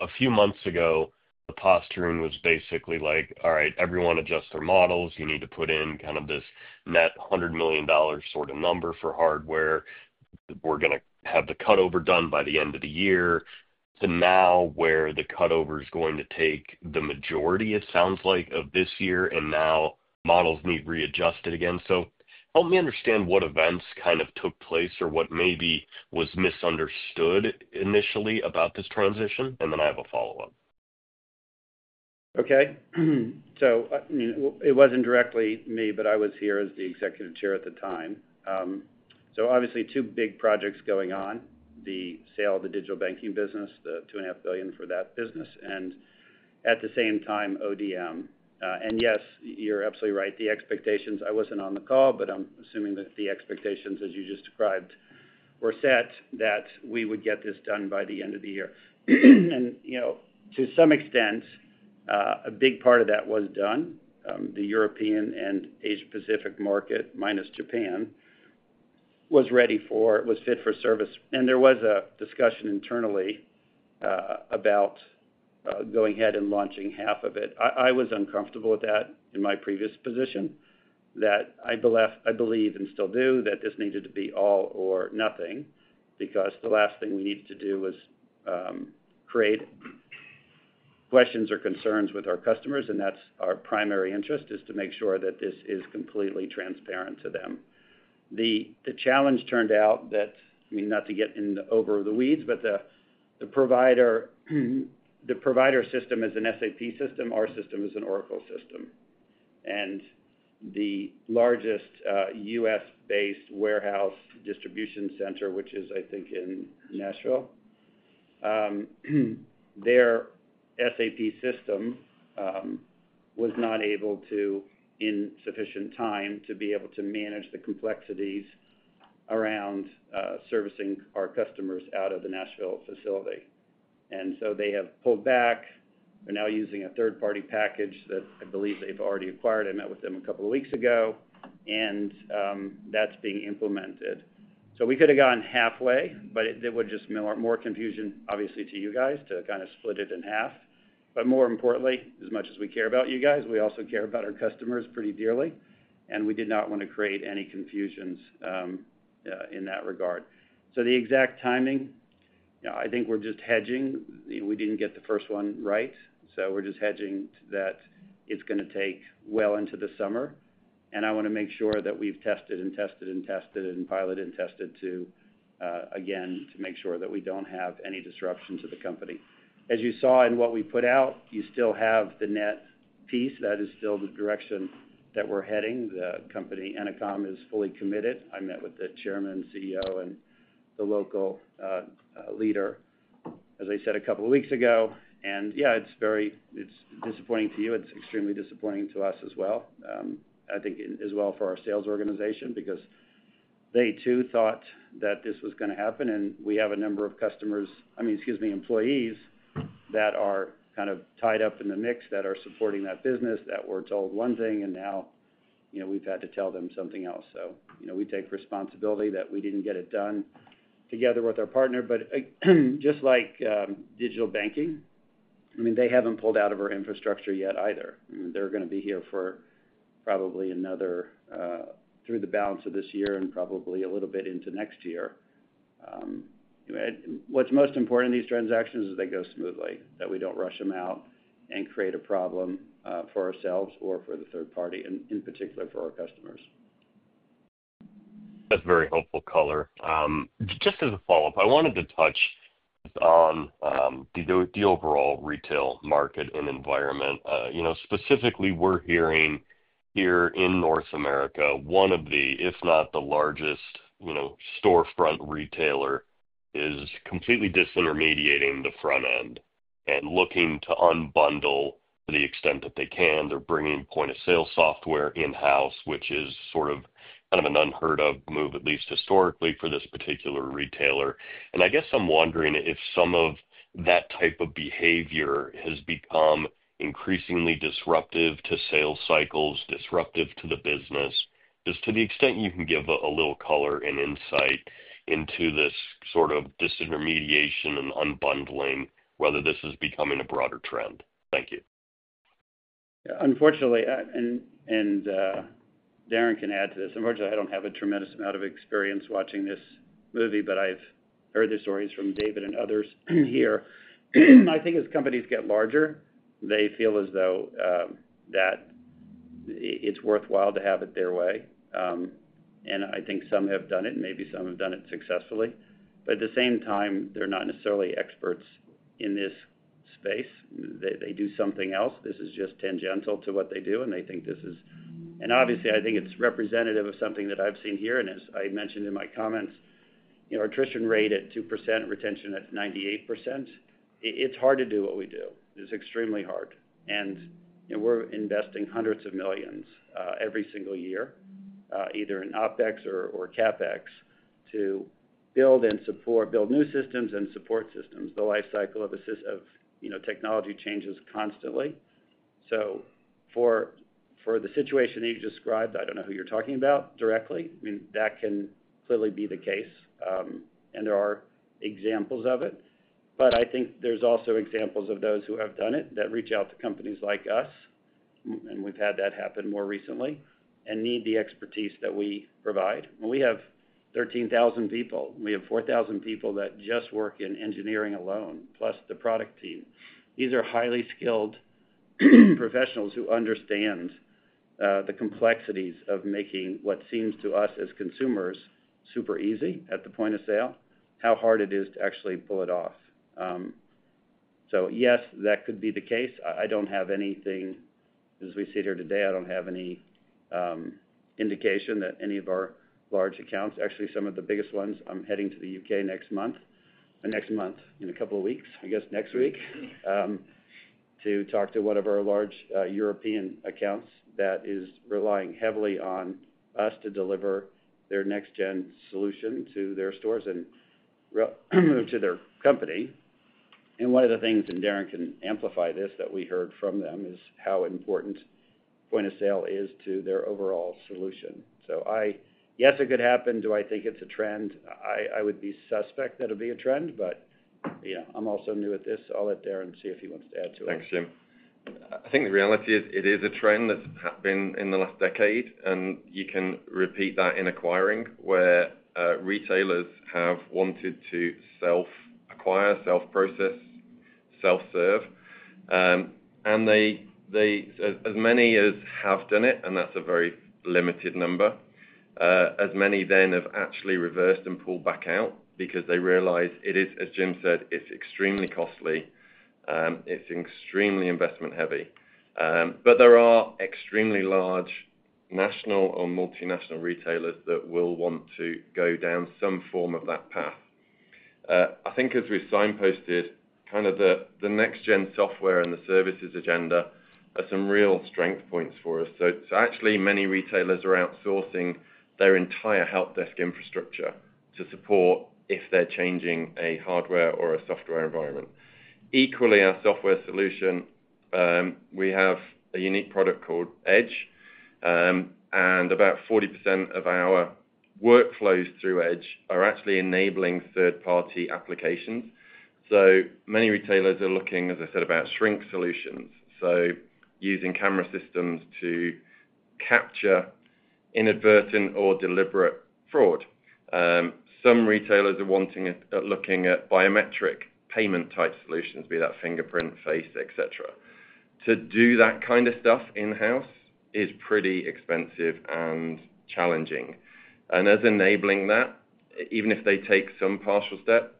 A few months ago, the posturing was basically like, "All right, everyone adjusts their models. You need to put in kind of this net $100 million sort of number for hardware. We're going to have the cutover done by the end of the year." To now, where the cutover is going to take the majority, it sounds like, of this year, and now models need readjusted again. So help me understand what events kind of took place or what maybe was misunderstood initially about this transition, and then I have a follow-up. Okay, so it wasn't directly me, but I was here as the Executive Chair at the time, so obviously, two big projects going on: the sale of the digital banking business, the $2.5 billion for that business, and at the same time, ODM, and yes, you're absolutely right. The expectations, I wasn't on the call, but I'm assuming that the expectations, as you just described, were set that we would get this done by the end of the year, and to some extent, a big part of that was done. The European and Asia-Pacific market, minus Japan, was ready for it, was fit for service, and there was a discussion internally about going ahead and launching half of it. I was uncomfortable with that in my previous position that I believe and still do that this needed to be all or nothing because the last thing we needed to do was create questions or concerns with our customers, and that's our primary interest, is to make sure that this is completely transparent to them. The challenge turned out that, I mean, not to get into the weeds, but the provider system is an SAP system. Our system is an Oracle system. And the largest U.S.-based warehouse distribution center, which is, I think, in Nashville, their SAP system was not able to, in sufficient time, be able to manage the complexities around servicing our customers out of the Nashville facility, and so they have pulled back. They're now using a third-party package that I believe they've already acquired. I met with them a couple of weeks ago, and that's being implemented. So we could have gone halfway, but it would just mean more confusion, obviously, to you guys to kind of split it in half. But more importantly, as much as we care about you guys, we also care about our customers pretty dearly, and we did not want to create any confusions in that regard. So the exact timing, I think we're just hedging. We didn't get the first one right. So we're just hedging that it's going to take well into the summer. And I want to make sure that we've tested and tested and tested and piloted and tested to, again, make sure that we don't have any disruption to the company. As you saw in what we put out, you still have the NCR piece. That is still the direction that we're heading. The company Ennoconn is fully committed. I met with the chairman, CEO, and the local leader, as I said, a couple of weeks ago, and yeah, it's disappointing to you. It's extremely disappointing to us as well. I think as well for our sales organization because they too thought that this was going to happen, and we have a number of customers, I mean, excuse me, employees, that are kind of tied up in the mix that are supporting that business that were told one thing, and now we've had to tell them something else, so we take responsibility that we didn't get it done together with our partner, but just like digital banking, I mean, they haven't pulled out of our infrastructure yet either. They're going to be here for probably another through the balance of this year and probably a little bit into next year. What's most important in these transactions is they go smoothly, that we don't rush them out and create a problem for ourselves or for the third party, and in particular for our customers. That's a very helpful color. Just as a follow-up, I wanted to touch on the overall retail market and environment. Specifically, we're hearing here in North America, one of the, if not the largest storefront retailer is completely disintermediating the front end and looking to unbundle to the extent that they can. They're bringing point-of-sale software in-house, which is sort of kind of an unheard-of move, at least historically, for this particular retailer. And I guess I'm wondering if some of that type of behavior has become increasingly disruptive to sales cycles, disruptive to the business. Just to the extent you can give a little color and insight into this sort of disintermediation and unbundling, whether this is becoming a broader trend. Thank you. Unfortunately, and Darren can add to this. Unfortunately, I don't have a tremendous amount of experience watching this movie, but I've heard the stories from David and others here. I think as companies get larger, they feel as though that it's worthwhile to have it their way. And I think some have done it, and maybe some have done it successfully. But at the same time, they're not necessarily experts in this space. They do something else. This is just tangential to what they do, and they think this is, and obviously, I think it's representative of something that I've seen here. And as I mentioned in my comments, our attrition rate at 2%, retention at 98%, it's hard to do what we do. It's extremely hard. And we're investing hundreds of millions every single year, either in OpEx or CapEx, to build and support, build new systems and support systems. The life cycle of technology changes constantly. So for the situation that you described, I don't know who you're talking about directly. I mean, that can clearly be the case, and there are examples of it. But I think there's also examples of those who have done it that reach out to companies like us, and we've had that happen more recently, and need the expertise that we provide. We have 13,000 people. We have 4,000 people that just work in engineering alone, plus the product team. These are highly skilled professionals who understand the complexities of making what seems to us as consumers super easy at the point of sale, how hard it is to actually pull it off. So yes, that could be the case. I don't have anything. As we sit here today, I don't have any indication that any of our large accounts, actually, some of the biggest ones. I'm heading to the UK next month, next month, in a couple of weeks, I guess next week, to talk to one of our large European accounts that is relying heavily on us to deliver their next-gen solution to their stores and to their company. And one of the things, and Darren can amplify this, that we heard from them is how important point of sale is to their overall solution. So yes, it could happen. Do I think it's a trend? I would be suspect that it'll be a trend, but I'm also new at this. I'll let Darren see if he wants to add to it. Thanks, Jim. I think the reality is it is a trend that's happened in the last decade, and you can repeat that in acquiring where retailers have wanted to self-acquire, self-process, self-serve, and as many as have done it, and that's a very limited number, as many then have actually reversed and pulled back out because they realize it is, as Jim said, it's extremely costly. It's extremely investment-heavy, but there are extremely large national or multinational retailers that will want to go down some form of that path. I think as we've signposted, kind of the next-gen software and the services agenda are some real strength points for us, so actually, many retailers are outsourcing their entire help desk infrastructure to support if they're changing a hardware or a software environment. Equally, our software solution, we have a unique product called Edge, and about 40% of our workflows through Edge are actually enabling third-party applications, so many retailers are looking, as I said, about shrink solutions, so using camera systems to capture inadvertent or deliberate fraud. Some retailers are looking at biometric payment-type solutions, be that fingerprint, face, etc. To do that kind of stuff in-house is pretty expensive and challenging, and as enabling that, even if they take some partial step,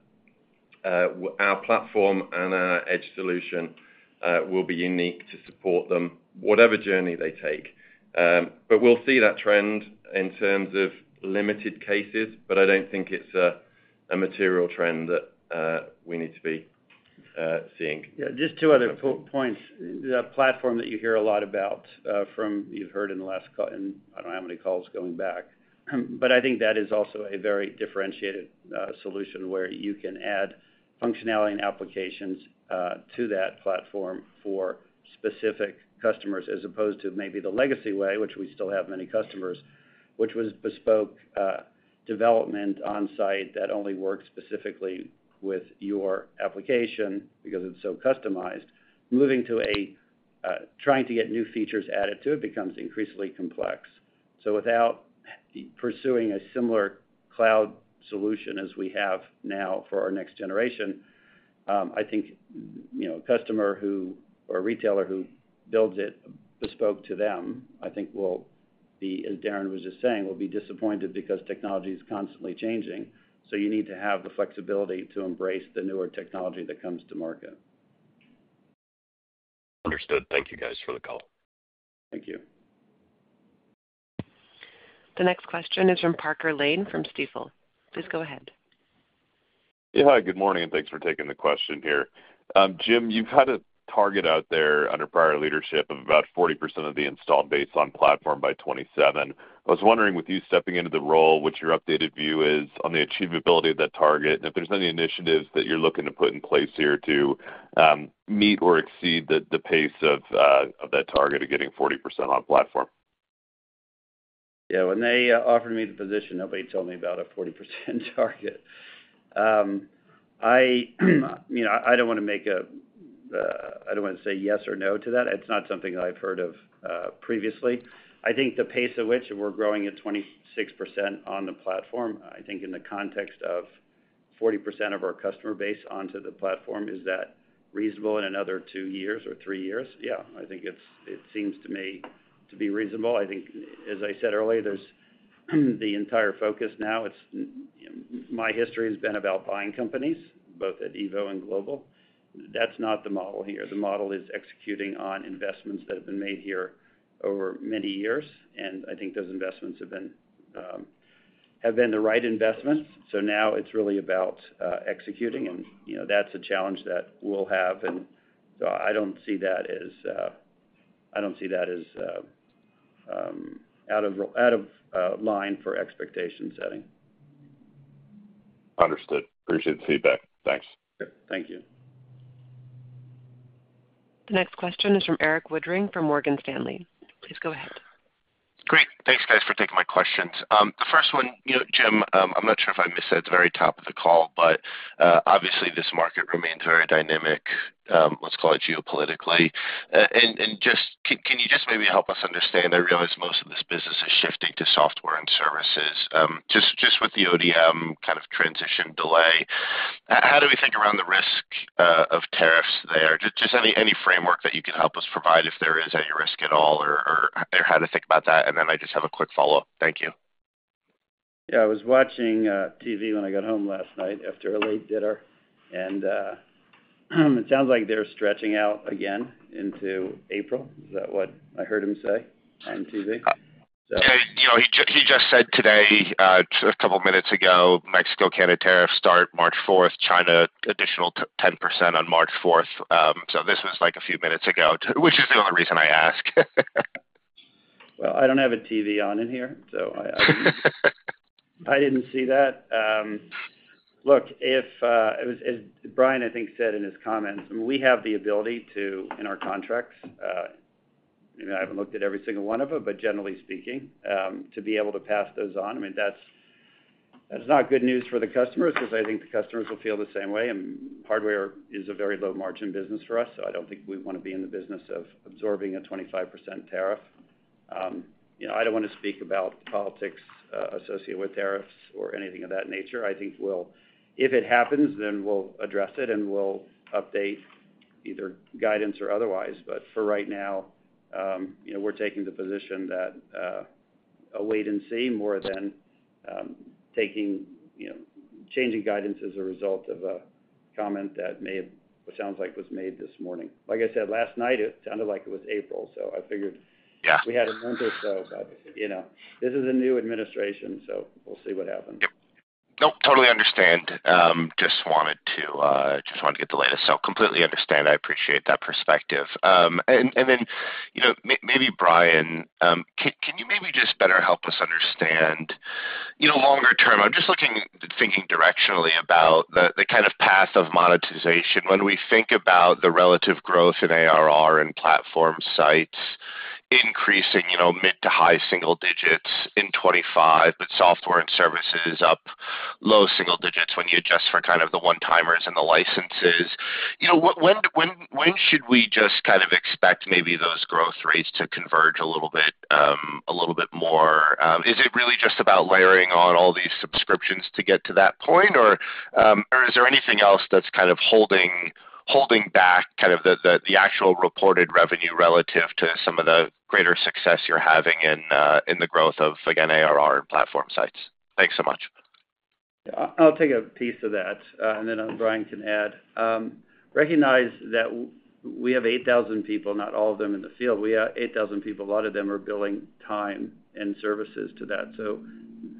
our platform and our Edge solution will be unique to support them, whatever journey they take, but we'll see that trend in terms of limited cases, but I don't think it's a material trend that we need to be seeing. Yeah. Just two other points. The platform that you hear a lot about from you've heard in the last—and I don't have any calls going back. But I think that is also a very differentiated solution where you can add functionality and applications to that platform for specific customers as opposed to maybe the legacy way, which we still have many customers, which was bespoke development on-site that only worked specifically with your application because it's so customized. Moving to trying to get new features added to it becomes increasingly complex. So without pursuing a similar cloud solution as we have now for our next generation, I think a customer or a retailer who builds it bespoke to them, I think, as Darren was just saying, will be disappointed because technology is constantly changing. So you need to have the flexibility to embrace the newer technology that comes to market. Understood. Thank you, guys, for the call. Thank you. The next question is from Parker Lane from Stifel. Please go ahead. Yeah. Hi. Good morning, and thanks for taking the question here. Jim, you've had a target out there under prior leadership of about 40% of the installed base on platform by 2027. I was wondering, with you stepping into the role, what your updated view is on the achievability of that target, and if there's any initiatives that you're looking to put in place here to meet or exceed the pace of that target of getting 40% on platform. Yeah. When they offered me the position, nobody told me about a 40% target. I mean, I don't want to make a. I don't want to say yes or no to that. It's not something that I've heard of previously. I think the pace at which we're growing at 26% on the platform, I think in the context of 40% of our customer base onto the platform, is that reasonable in another two years or three years? Yeah. I think it seems to me to be reasonable. I think, as I said earlier, the entire focus now, my history has been about buying companies, both at Evo and Global. That's not the model here. The model is executing on investments that have been made here over many years. And I think those investments have been the right investments. So now it's really about executing. And that's a challenge that we'll have. I don't see that as out of line for expectation setting. Understood. Appreciate the feedback. Thanks. Thank you. The next question is from Erik Woodring from Morgan Stanley. Please go ahead. Great. Thanks, guys, for taking my questions. The first one, Jim, I'm not sure if I missed at the very top of the call, but obviously, this market remains very dynamic, let's call it geopolitically, and can you just maybe help us understand? I realize most of this business is shifting to software and services, just with the ODM kind of transition delay. How do we think around the risk of tariffs there? Just any framework that you can help us provide if there is any risk at all or how to think about that, and then I just have a quick follow-up. Thank you. Yeah. I was watching TV when I got home last night after a late dinner, and it sounds like they're stretching out again into April. Is that what I heard him say on TV? Yeah. He just said today, a couple of minutes ago, Mexico-Canada tariffs start March 4th, China additional 10% on March 4th. So this was like a few minutes ago, which is the only reason I ask. I don't have a TV on in here, so I didn't see that. Look, as Brian, I think, said in his comments, we have the ability to, in our contracts, I haven't looked at every single one of them, but generally speaking, to be able to pass those on. I mean, that's not good news for the customers because I think the customers will feel the same way. Hardware is a very low-margin business for us, so I don't think we want to be in the business of absorbing a 25% tariff. I don't want to speak about politics associated with tariffs or anything of that nature. I think if it happens, then we'll address it and we'll update either guidance or otherwise. But for right now, we're taking the position that a wait and see more than changing guidance as a result of a comment that may have—it sounds like it was made this morning. Like I said, last night, it sounded like it was April, so I figured we had a month or so, but this is a new administration, so we'll see what happens. Yep. Nope. Totally understand. Just wanted to get the latest. So completely understand. I appreciate that perspective. And then maybe Brian, can you maybe just better help us understand longer term? I'm just thinking directionally about the kind of path of monetization. When we think about the relative growth in ARR and platform sites increasing mid- to high-single digits in 2025, but software and services up low single digits when you adjust for kind of the one-timers and the licenses, when should we just kind of expect maybe those growth rates to converge a little bit more? Is it really just about layering on all these subscriptions to get to that point, or is there anything else that's kind of holding back kind of the actual reported revenue relative to some of the greater success you're having in the growth of, again, ARR and platform sites? Thanks so much. I'll take a piece of that, and then Brian can add. Recognize that we have 8,000 people, not all of them in the field. We have 8,000 people. A lot of them are billing time and services to that. So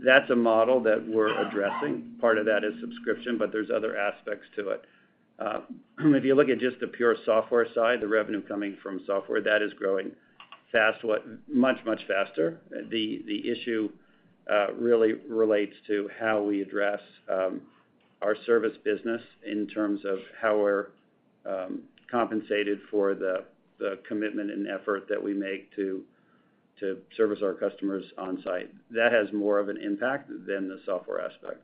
that's a model that we're addressing. Part of that is subscription, but there's other aspects to it. If you look at just the pure software side, the revenue coming from software, that is growing much, much faster. The issue really relates to how we address our service business in terms of how we're compensated for the commitment and effort that we make to service our customers on-site. That has more of an impact than the software aspect.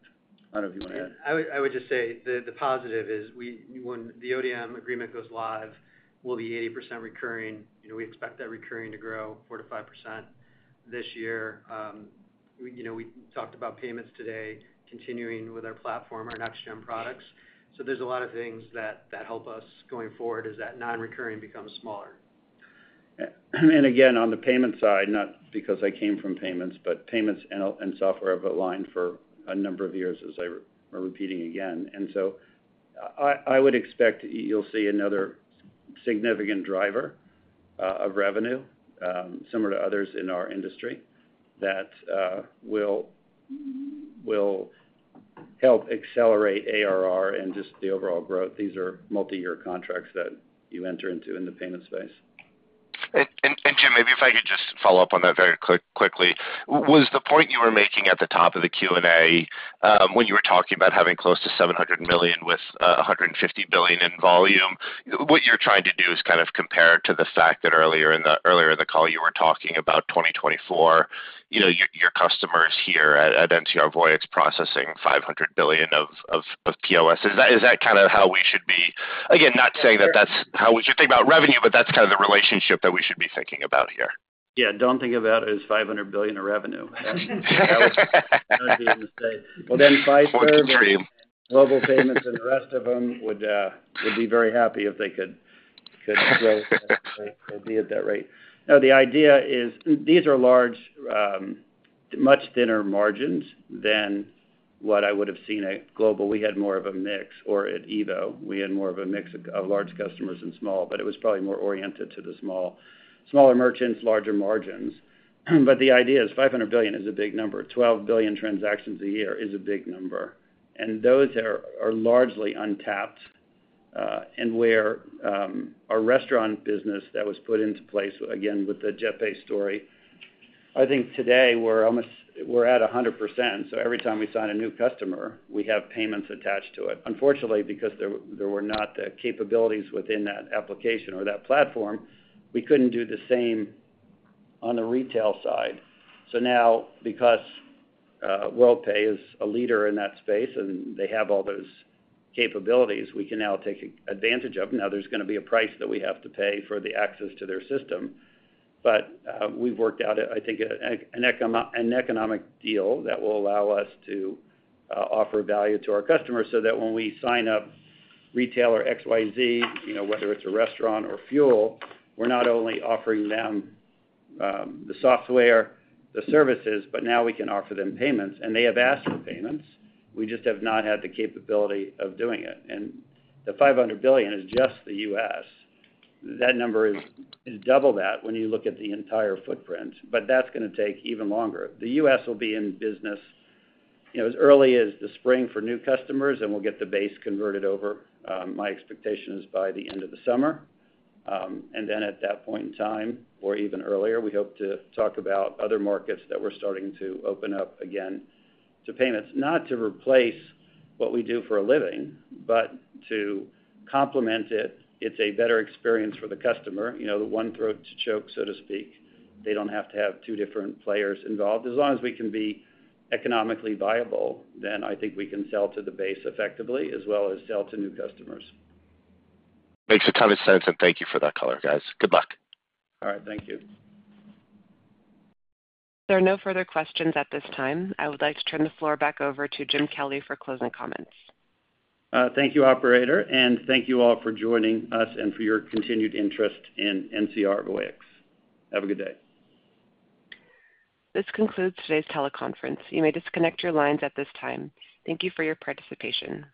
I don't know if you want to add. Yeah. I would just say the positive is when the ODM agreement goes live, we'll be 80% recurring. We expect that recurring to grow 4%-5% this year. We talked about payments today, continuing with our platform, our next-gen products. So there's a lot of things that help us going forward as that non-recurring becomes smaller. Again, on the payment side, not because I came from payments, but payments and software have aligned for a number of years, as I'm repeating again. So I would expect you'll see another significant driver of revenue, similar to others in our industry, that will help accelerate ARR and just the overall growth. These are multi-year contracts that you enter into in the payment space. And Jim, maybe if I could just follow up on that very quickly. Was the point you were making at the top of the Q&A when you were talking about having close to $700 million with $150 billion in volume, what you're trying to do is kind of compare to the fact that earlier in the call you were talking about 2024, your customers here at NCR Voyix processing $500 billion of POS. Is that kind of how we should be, again, not saying that that's how we should think about revenue, but that's kind of the relationship that we should be thinking about here. Yeah. Don't think of that as $500 billion of revenue. That would be a mistake. Well, then five clearly. That's extreme. Global Payments and the rest of them would be very happy if they could grow at that rate. Now, the idea is these are large, much thinner margins than what I would have seen at Global. We had more of a mix, or at Evo, we had more of a mix of large customers and small, but it was probably more oriented to the smaller merchants, larger margins. But the idea is 500 billion is a big number. 12 billion transactions a year is a big number. Those are largely untapped. Where our restaurant business that was put into place, again, with the JetPay story, I think today we're at 100%. So every time we sign a new customer, we have payments attached to it. Unfortunately, because there were not the capabilities within that application or that platform, we couldn't do the same on the retail side. So now, because Worldpay is a leader in that space and they have all those capabilities, we can now take advantage of them. Now, there's going to be a price that we have to pay for the access to their system. But we've worked out, I think, an economic deal that will allow us to offer value to our customers so that when we sign up retailer XYZ, whether it's a restaurant or fuel, we're not only offering them the software, the services, but now we can offer them payments. And they have asked for payments. We just have not had the capability of doing it. And the $500 billion is just the U.S. That number is double that when you look at the entire footprint. But that's going to take even longer. The U.S. will be in business as early as the spring for new customers, and we'll get the base converted over. My expectation is by the end of the summer, and then at that point in time, or even earlier, we hope to talk about other markets that we're starting to open up again to payments, not to replace what we do for a living, but to complement it. It's a better experience for the customer, the one throat to choke, so to speak. They don't have to have two different players involved. As long as we can be economically viable, then I think we can sell to the base effectively as well as sell to new customers. Makes a ton of sense. And thank you for that color, guys. Good luck. All right. Thank you. There are no further questions at this time. I would like to turn the floor back over to Jim Kelly for closing comments. Thank you, operator, and thank you all for joining us and for your continued interest in NCR Voyix. Have a good day. This concludes today's teleconference. You may disconnect your lines at this time. Thank you for your participation.